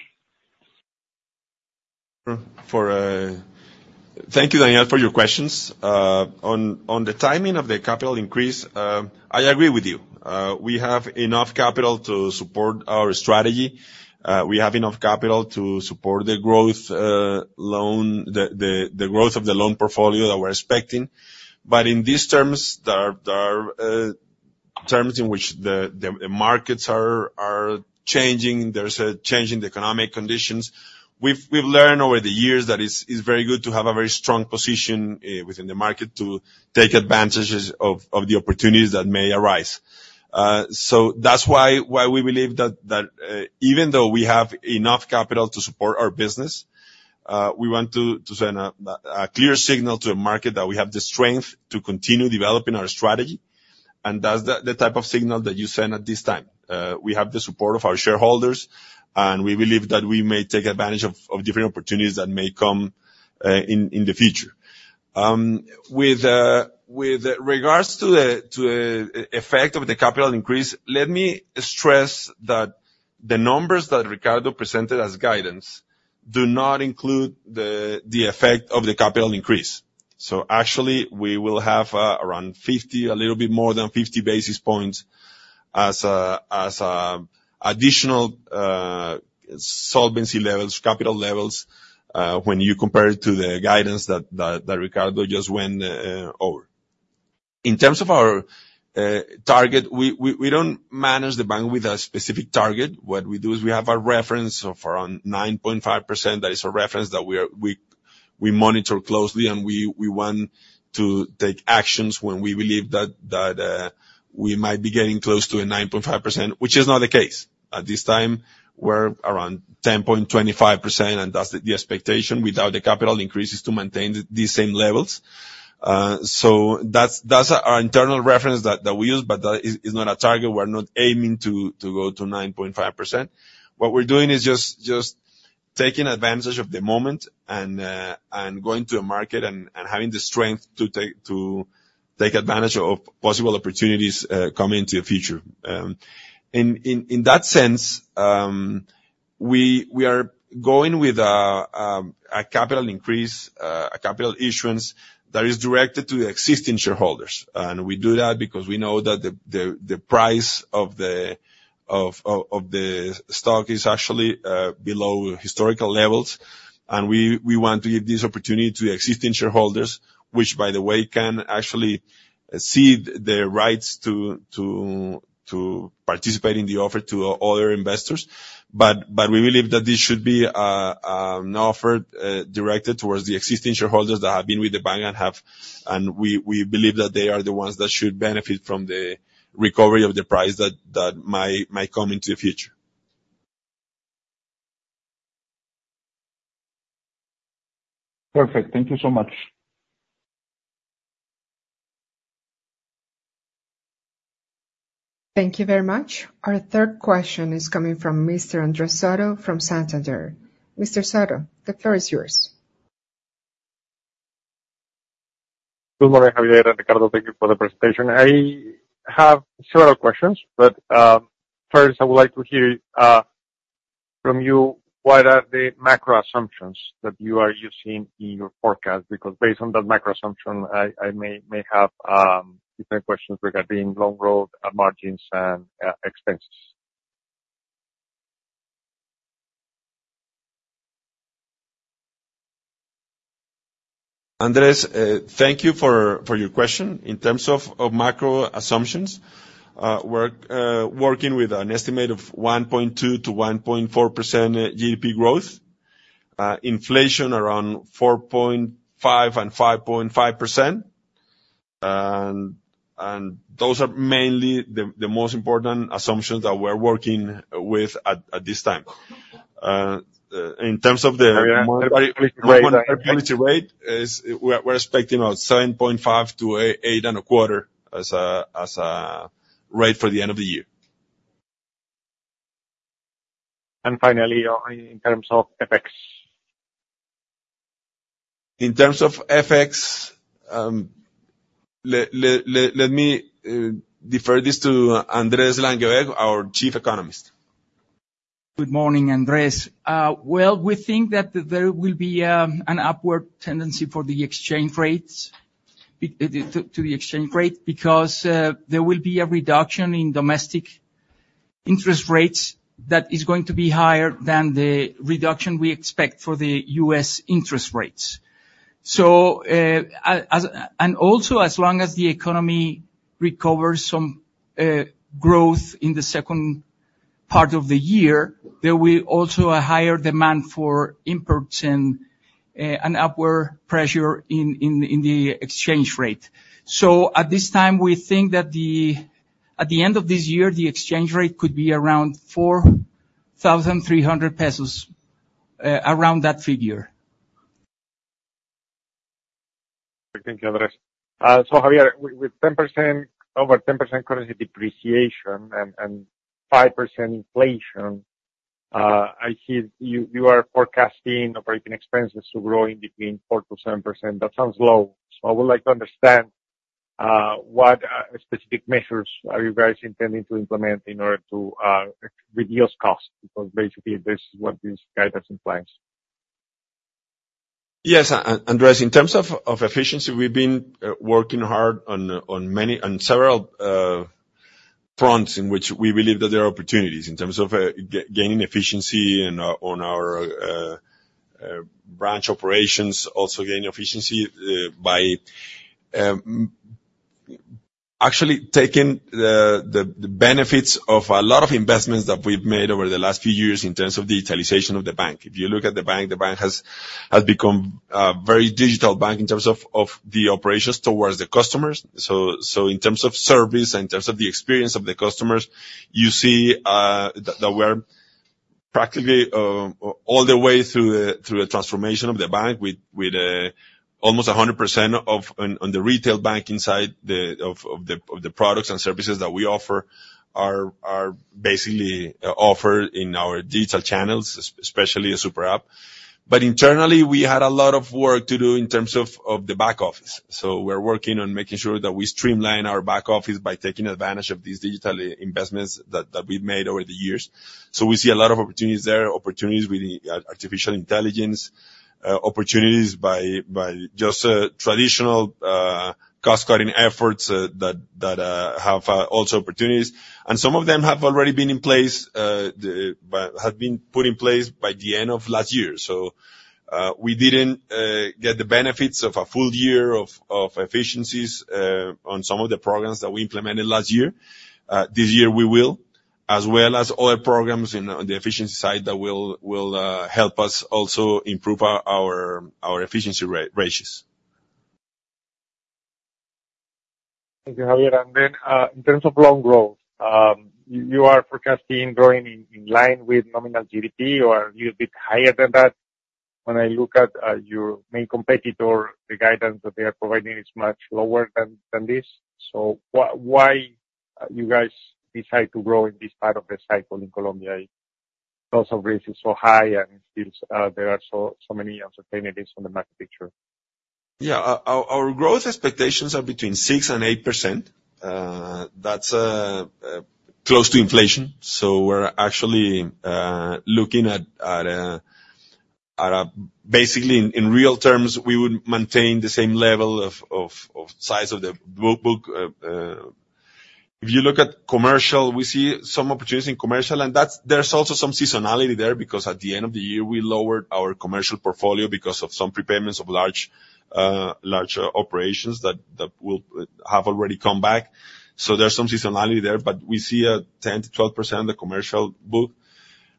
Thank you, Daniel, for your questions. On the timing of the capital increase, I agree with you. We have enough capital to support our strategy. We have enough capital to support the growth of the loan portfolio that we're expecting. But in these terms, there are terms in which the markets are changing. There's a change in the economic conditions. We've learned over the years that it's very good to have a very strong position within the market to take advantages of the opportunities that may arise. So that's why we believe that even though we have enough capital to support our business, we want to send a clear signal to the market that we have the strength to continue developing our strategy. That's the type of signal that you send at this time. We have the support of our shareholders, and we believe that we may take advantage of different opportunities that may come in the future. With regards to the effect of the capital increase, let me stress that the numbers that Ricardo presented as guidance do not include the effect of the capital increase. So actually, we will have around 50, a little bit more than 50 basis points as additional solvency levels, capital levels, when you compare it to the guidance that Ricardo just went over. In terms of our target, we don't manage the bank with a specific target. What we do is we have a reference of around 9.5% that is a reference that we monitor closely, and we want to take actions when we believe that we might be getting close to a 9.5%, which is not the case. At this time, we're around 10.25%, and that's the expectation without the capital increases to maintain these same levels. That's our internal reference that we use, but that is not a target. We're not aiming to go to 9.5%. What we're doing is just taking advantage of the moment and going to a market and having the strength to take advantage of possible opportunities coming into the future. In that sense, we are going with a capital increase, a capital issuance that is directed to the existing shareholders. We do that because we know that the price of the stock is actually below historical levels, and we want to give this opportunity to the existing shareholders, which, by the way, can actually cede their rights to participate in the offer to other investors. But we believe that this should be an offer directed towards the existing shareholders that have been with the bank and believe that they are the ones that should benefit from the recovery of the price that might come into the future. Perfect. Thank you so much. Thank you very much. Our third question is coming from Mr. Andrés Soto from Santander. Mr. Soto, the floor is yours. Good morning, Javier and Ricardo. Thank you for the presentation. I have several questions, but first, I would like to hear from you what are the macro assumptions that you are using in your forecast? Because based on that macro assumption, I may have different questions regarding loan growth, margins, and expenses. Andrés, thank you for your question. In terms of macro assumptions, we're working with an estimate of 1.2%-1.4% GDP growth, inflation around 4.5%-5.5%, and those are mainly the most important assumptions that we're working with at this time. In terms of the monetary policy, we're expecting about 7.5%-8.25% as a rate for the end of the year. Finally, in terms of FX? In terms of FX, let me defer this to Andrés Langebaek, our Chief Economist. Good morning, Andrés. Well, we think that there will be an upward tendency for the exchange rate because there will be a reduction in domestic interest rates that is going to be higher than the reduction we expect for the U.S. interest rates. And also, as long as the economy recovers some growth in the second part of the year, there will also be a higher demand for imports and an upward pressure in the exchange rate. So at this time, we think that at the end of this year, the exchange rate could be around COP 4,300, around that figure. Thank you, Andrés. So, Javier, with over 10% currency depreciation and 5% inflation, I see you are forecasting operating expenses to grow in between 4%-7%. That sounds low. So I would like to understand what specific measures are you guys intending to implement in order to reduce costs? Because basically, this is what this guidance implies. Yes, Andrés. In terms of efficiency, we've been working hard on several fronts in which we believe that there are opportunities. In terms of gaining efficiency on our branch operations, also gaining efficiency by actually taking the benefits of a lot of investments that we've made over the last few years in terms of digitalization of the bank. If you look at the bank, the bank has become a very digital bank in terms of the operations towards the customers. So in terms of service and in terms of the experience of the customers, you see that we're practically all the way through the transformation of the bank with almost 100% on the retail bank inside of the products and services that we offer are basically offered in our digital channels, especially a super app. Internally, we had a lot of work to do in terms of the back office. We're working on making sure that we streamline our back office by taking advantage of these digital investments that we've made over the years. We see a lot of opportunities there, opportunities with artificial intelligence, opportunities by just traditional cost-cutting efforts that have also opportunities. Some of them have already been in place but have been put in place by the end of last year. We didn't get the benefits of a full year of efficiencies on some of the programs that we implemented last year. This year, we will, as well as other programs on the efficiency side that will help us also improve our efficiency ratios. Thank you, Javier. And then in terms of loan growth, you are forecasting growing in line with nominal GDP, or are you a bit higher than that? When I look at your main competitor, the guidance that they are providing is much lower than this. So why did you guys decide to grow in this part of the cycle in Colombia? Cost of risk is so high, and there are so many uncertainties on the market picture. Yeah. Our growth expectations are between 6% and 8%. That's close to inflation. So we're actually looking at basically, in real terms, we would maintain the same level of size of the book. If you look at commercial, we see some opportunities in commercial. And there's also some seasonality there because at the end of the year, we lowered our commercial portfolio because of some prepayments of large operations that have already come back. So there's some seasonality there, but we see a 10%-12% on the commercial book.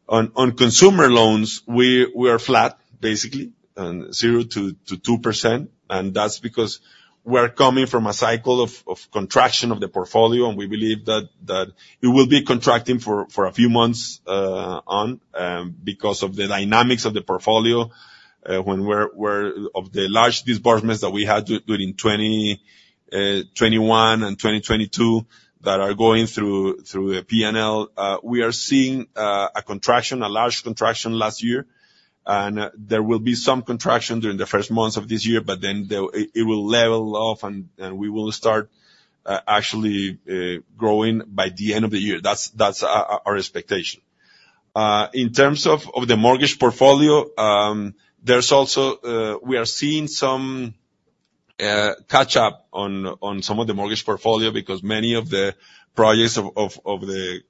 On consumer loans, we are flat, basically, 0%-2%. And that's because we're coming from a cycle of contraction of the portfolio, and we believe that it will be contracting for a few months on because of the dynamics of the portfolio. Of the large disbursements that we had during 2021 and 2022 that are going through P&L, we are seeing a large contraction last year. There will be some contraction during the first months of this year, but then it will level off, and we will start actually growing by the end of the year. That's our expectation. In terms of the mortgage portfolio, we are seeing some catch-up on some of the mortgage portfolio because many of the projects of the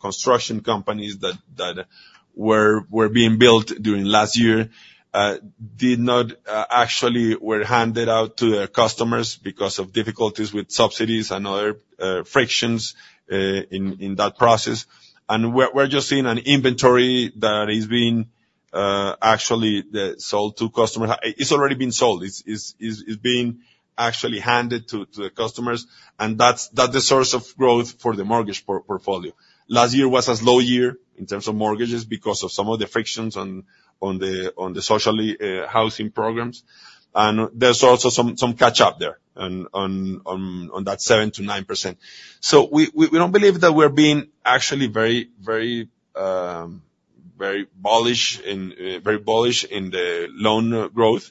construction companies that were being built during last year were actually handed out to their customers because of difficulties with subsidies and other frictions in that process. We're just seeing an inventory that is being actually sold to customers. It's already been sold. It's being actually handed to the customers. And that's the source of growth for the mortgage portfolio. Last year was a slow year in terms of mortgages because of some of the frictions on the social housing programs. There's also some catch-up there on that 7%-9%. We don't believe that we're actually very bullish in the loan growth.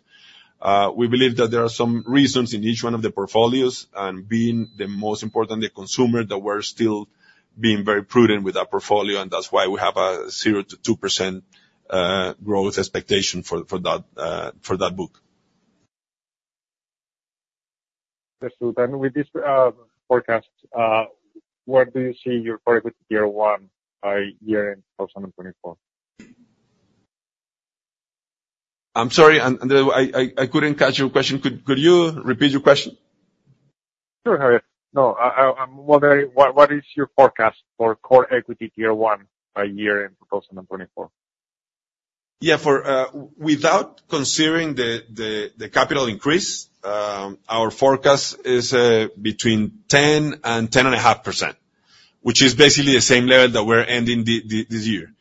We believe that there are some reasons in each one of the portfolios. Being the most important, the consumer, that we're still being very prudent with that portfolio, and that's why we have a 0%-2% growth expectation for that book. Mr. Javier, with this forecast, where do you see your productivity year one by year in 2024? I'm sorry, Andrés. I couldn't catch your question. Could you repeat your question? Sure, Javier. No, I'm wondering, what is your forecast for Core Equity Tier 1 by year-end in 2024? Yeah. Without considering the capital increase, our forecast is between 10% and 10.5%, which is basically the same level that we're ending this year.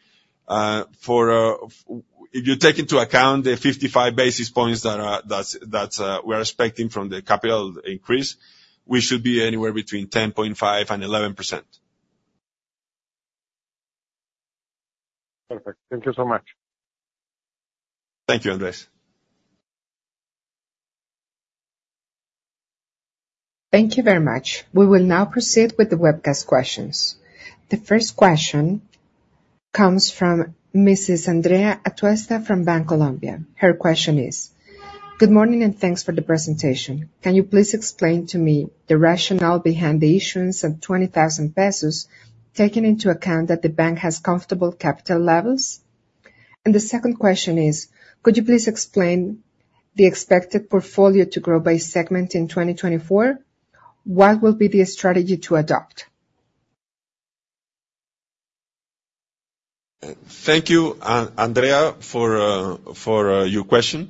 If you take into account the 55 basis points that we're expecting from the capital increase, we should be anywhere between 10.5% and 11%. Perfect. Thank you so much. Thank you, Andrés. Thank you very much. We will now proceed with the webcast questions. The first question comes from Mrs. Andrea Atuesta from Bancolombia. Her question is, "Good morning and thanks for the presentation. Can you please explain to me the rationale behind the issuance of COP 20,000 taking into account that the bank has comfortable capital levels?" And the second question is, "Could you please explain the expected portfolio to grow by segment in 2024? What will be the strategy to adopt? Thank you, Andrea, for your question.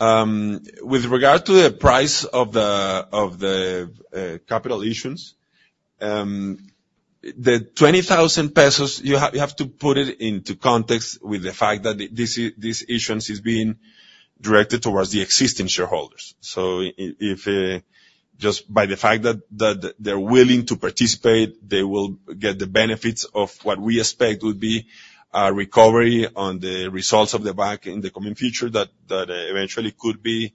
With regard to the price of the capital issuance, the COP 20,000, you have to put it into context with the fact that this issuance is being directed towards the existing shareholders. So just by the fact that they're willing to participate, they will get the benefits of what we expect would be a recovery on the results of the bank in the coming future that eventually could be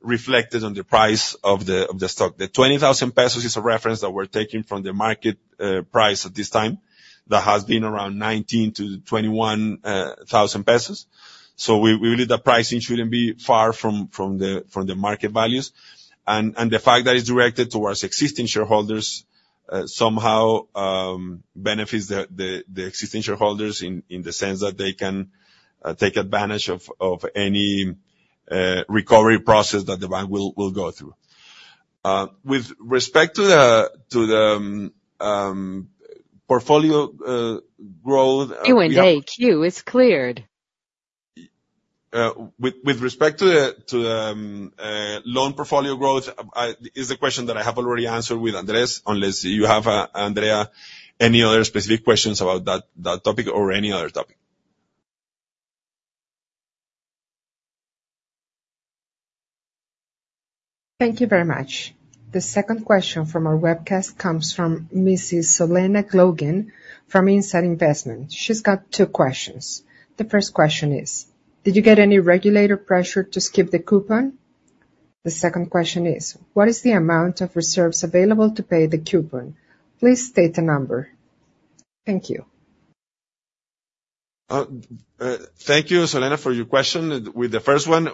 reflected on the price of the stock. The COP 20,000 is a reference that we're taking from the market price at this time that has been around COP 19,000-COP 21,000. So we believe that pricing shouldn't be far from the market values. And the fact that it's directed towards existing shareholders somehow benefits the existing shareholders in the sense that they can take advantage of any recovery process that the bank will go through. With respect to the portfolio growth. Q&A. Queue is cleared. With respect to the loan portfolio growth, is the question that I have already answered with Andrés, unless you have, Andrea, any other specific questions about that topic or any other topic? Thank you very much. The second question from our webcast comes from Mrs. Yelena Globan from Insight Investment. She's got two questions. The first question is, "Did you get any regulator pressure to skip the coupon?" The second question is, "What is the amount of reserves available to pay the coupon? Please state the number." Thank you. Thank you, Yelena, for your question. With the first one,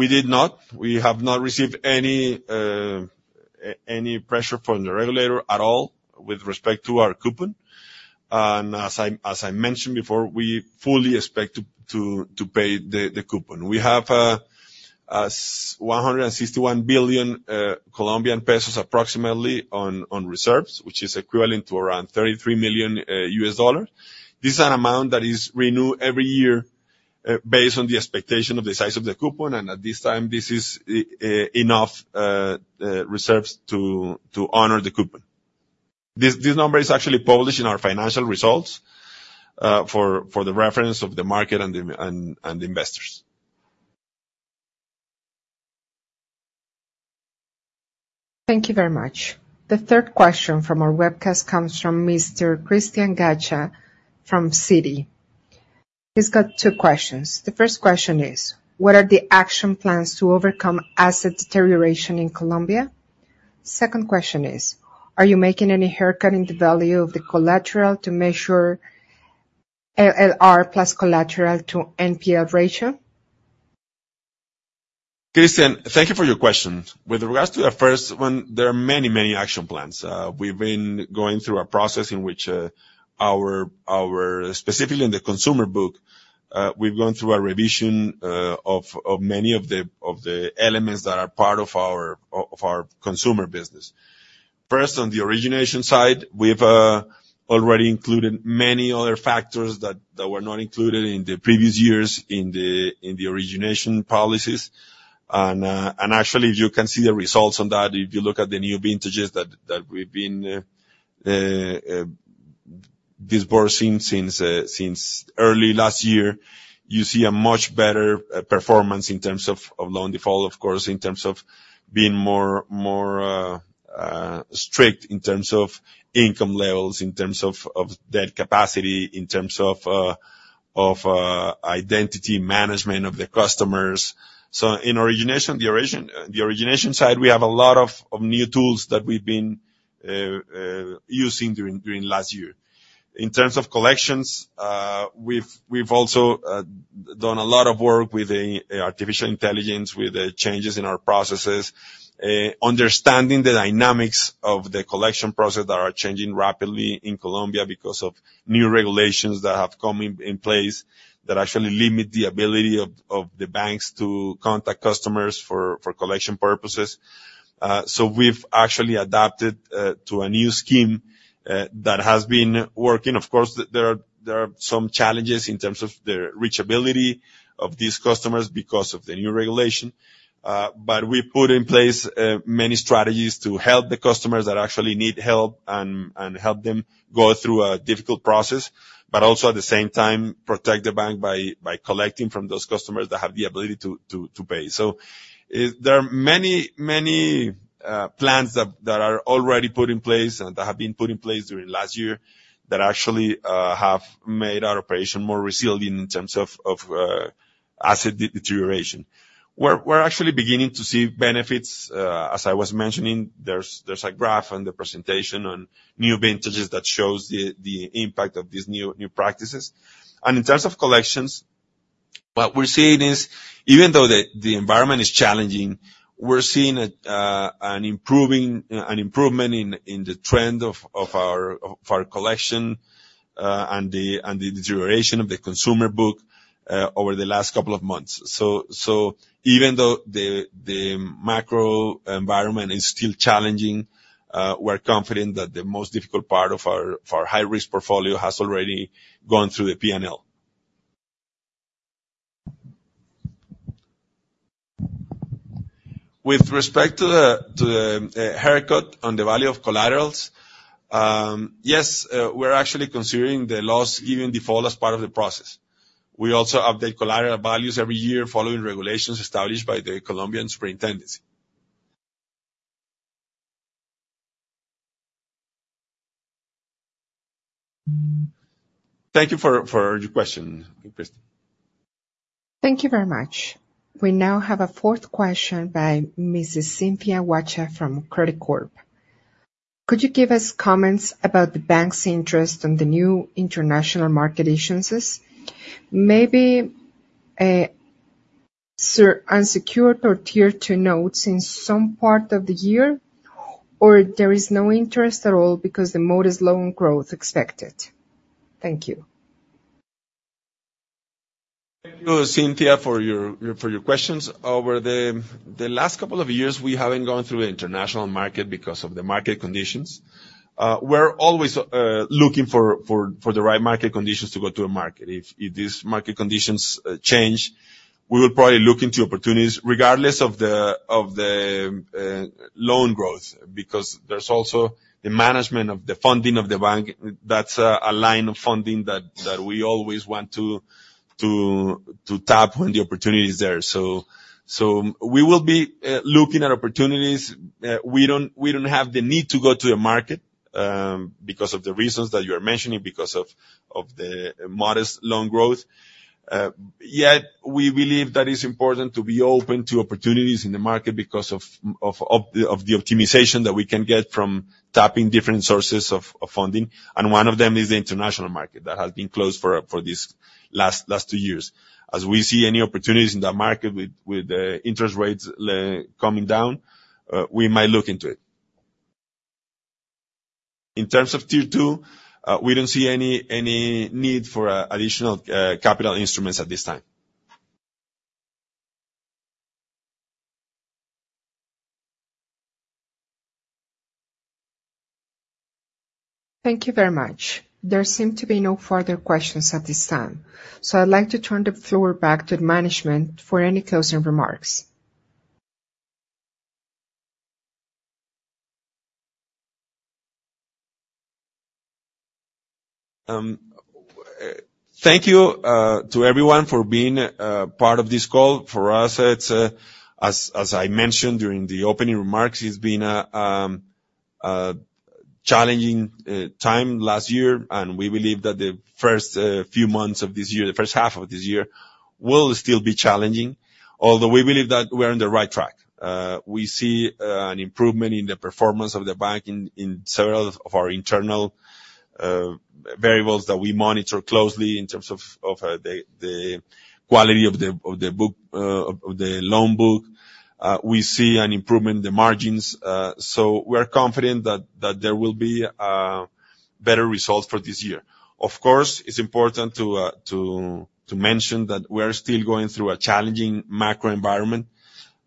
we did not. We have not received any pressure from the regulator at all with respect to our coupon. And as I mentioned before, we fully expect to pay the coupon. We have COP 161 billion approximately on reserves, which is equivalent to around $33 million. This is an amount that is renewed every year based on the expectation of the size of the coupon. And at this time, this is enough reserves to honor the coupon. This number is actually published in our financial results for the reference of the market and the investors. Thank you very much. The third question from our webcast comes from Mr. Cristian Gacha from Citi. He's got two questions. The first question is, "What are the action plans to overcome asset deterioration in Colombia?" Second question is, "Are you making any haircut in the value of the collateral to measure LLR plus collateral to NPL ratio? Christian, thank you for your question. With regards to the first one, there are many, many action plans. We've been going through a process in which, specifically in the consumer book, we've gone through a revision of many of the elements that are part of our consumer business. First, on the origination side, we've already included many other factors that were not included in the previous years in the origination policies. And actually, you can see the results on that. If you look at the new vintages that we've been disbursing since early last year, you see a much better performance in terms of loan default, of course, in terms of being more strict in terms of income levels, in terms of debt capacity, in terms of identity management of the customers. So in origination side, we have a lot of new tools that we've been using during last year. In terms of collections, we've also done a lot of work with artificial intelligence, with changes in our processes, understanding the dynamics of the collection process that are changing rapidly in Colombia because of new regulations that have come in place that actually limit the ability of the banks to contact customers for collection purposes. So we've actually adapted to a new scheme that has been working. Of course, there are some challenges in terms of the reachability of these customers because of the new regulation. But we put in place many strategies to help the customers that actually need help and help them go through a difficult process, but also at the same time, protect the bank by collecting from those customers that have the ability to pay. There are many, many plans that are already put in place and that have been put in place during last year that actually have made our operation more resilient in terms of asset deterioration. We're actually beginning to see benefits. As I was mentioning, there's a graph on the presentation on new vintages that shows the impact of these new practices. In terms of collections, what we're seeing is, even though the environment is challenging, we're seeing an improvement in the trend of our collection and the deterioration of the consumer book over the last couple of months. Even though the macro environment is still challenging, we're confident that the most difficult part of our high-risk portfolio has already gone through the P&L. With respect to the haircut on the value of collaterals, yes, we're actually considering the loss given default as part of the process. We also update collateral values every year following regulations established by the Colombian Superintendency. Thank you for your question, Christian. Thank you very much. We now have a fourth question by Mrs. Cynthia Huaccha from Credicorp Capital. "Could you give us comments about the bank's interest on the new international market issuances? Maybe unsecured or tier 2 notes in some part of the year, or there is no interest at all because the mood is low and growth expected." Thank you. Thank you, Cynthia, for your questions. Over the last couple of years, we haven't gone through the international market because of the market conditions. We're always looking for the right market conditions to go to a market. If these market conditions change, we will probably look into opportunities regardless of the loan growth because there's also the management of the funding of the bank. That's a line of funding that we always want to tap when the opportunity is there. So we will be looking at opportunities. We don't have the need to go to the market because of the reasons that you are mentioning, because of the modest loan growth. Yet, we believe that it's important to be open to opportunities in the market because of the optimization that we can get from tapping different sources of funding. One of them is the international market that has been closed for these last two years. As we see any opportunities in that market with interest rates coming down, we might look into it. In terms of tier two, we don't see any need for additional capital instruments at this time. Thank you very much. There seem to be no further questions at this time. I'd like to turn the floor back to the management for any closing remarks. Thank you to everyone for being part of this call. For us, as I mentioned during the opening remarks, it's been a challenging time last year. We believe that the first few months of this year, the first half of this year, will still be challenging, although we believe that we are on the right track. We see an improvement in the performance of the bank in several of our internal variables that we monitor closely in terms of the quality of the loan book. We see an improvement in the margins. We are confident that there will be better results for this year. Of course, it's important to mention that we are still going through a challenging macro environment.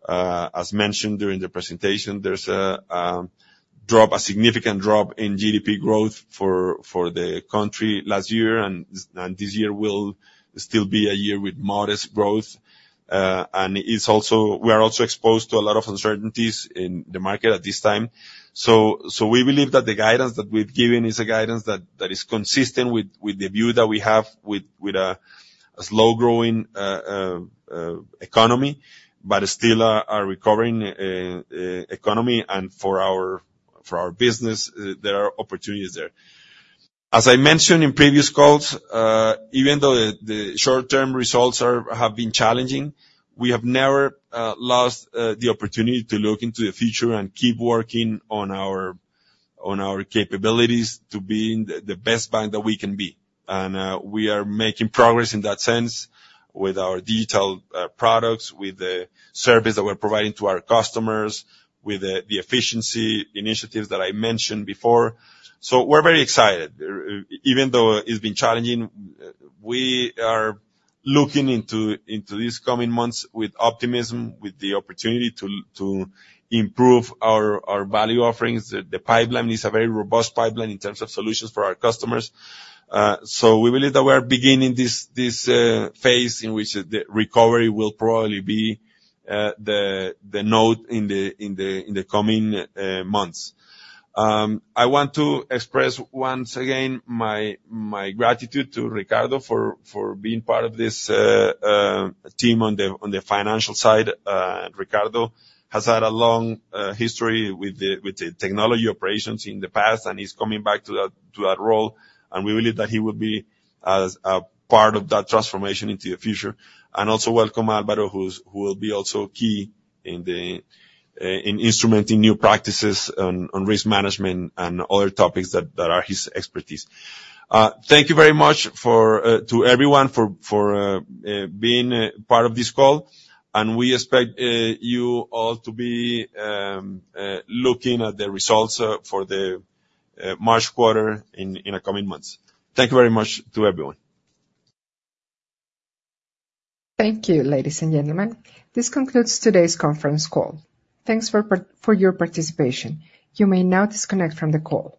As mentioned during the presentation, there's a significant drop in GDP growth for the country last year. This year will still be a year with modest growth. And we are also exposed to a lot of uncertainties in the market at this time. So we believe that the guidance that we've given is a guidance that is consistent with the view that we have with a slow-growing economy but still a recovering economy. And for our business, there are opportunities there. As I mentioned in previous calls, even though the short-term results have been challenging, we have never lost the opportunity to look into the future and keep working on our capabilities to be the best bank that we can be. And we are making progress in that sense with our digital products, with the service that we're providing to our customers, with the efficiency initiatives that I mentioned before. So we're very excited. Even though it's been challenging, we are looking into these coming months with optimism, with the opportunity to improve our value offerings. The pipeline is a very robust pipeline in terms of solutions for our customers. We believe that we are beginning this phase in which the recovery will probably be the note in the coming months. I want to express once again my gratitude to Ricardo for being part of this team on the financial side. Ricardo has had a long history with the technology operations in the past and is coming back to that role. We believe that he will be a part of that transformation into the future. Also welcome Álvaro, who will be also key in instrumenting new practices on risk management and other topics that are his expertise. Thank you very much to everyone for being part of this call. We expect you all to be looking at the results for the March quarter in the coming months. Thank you very much to everyone. Thank you, ladies and gentlemen. This concludes today's conference call. Thanks for your participation. You may now disconnect from the call.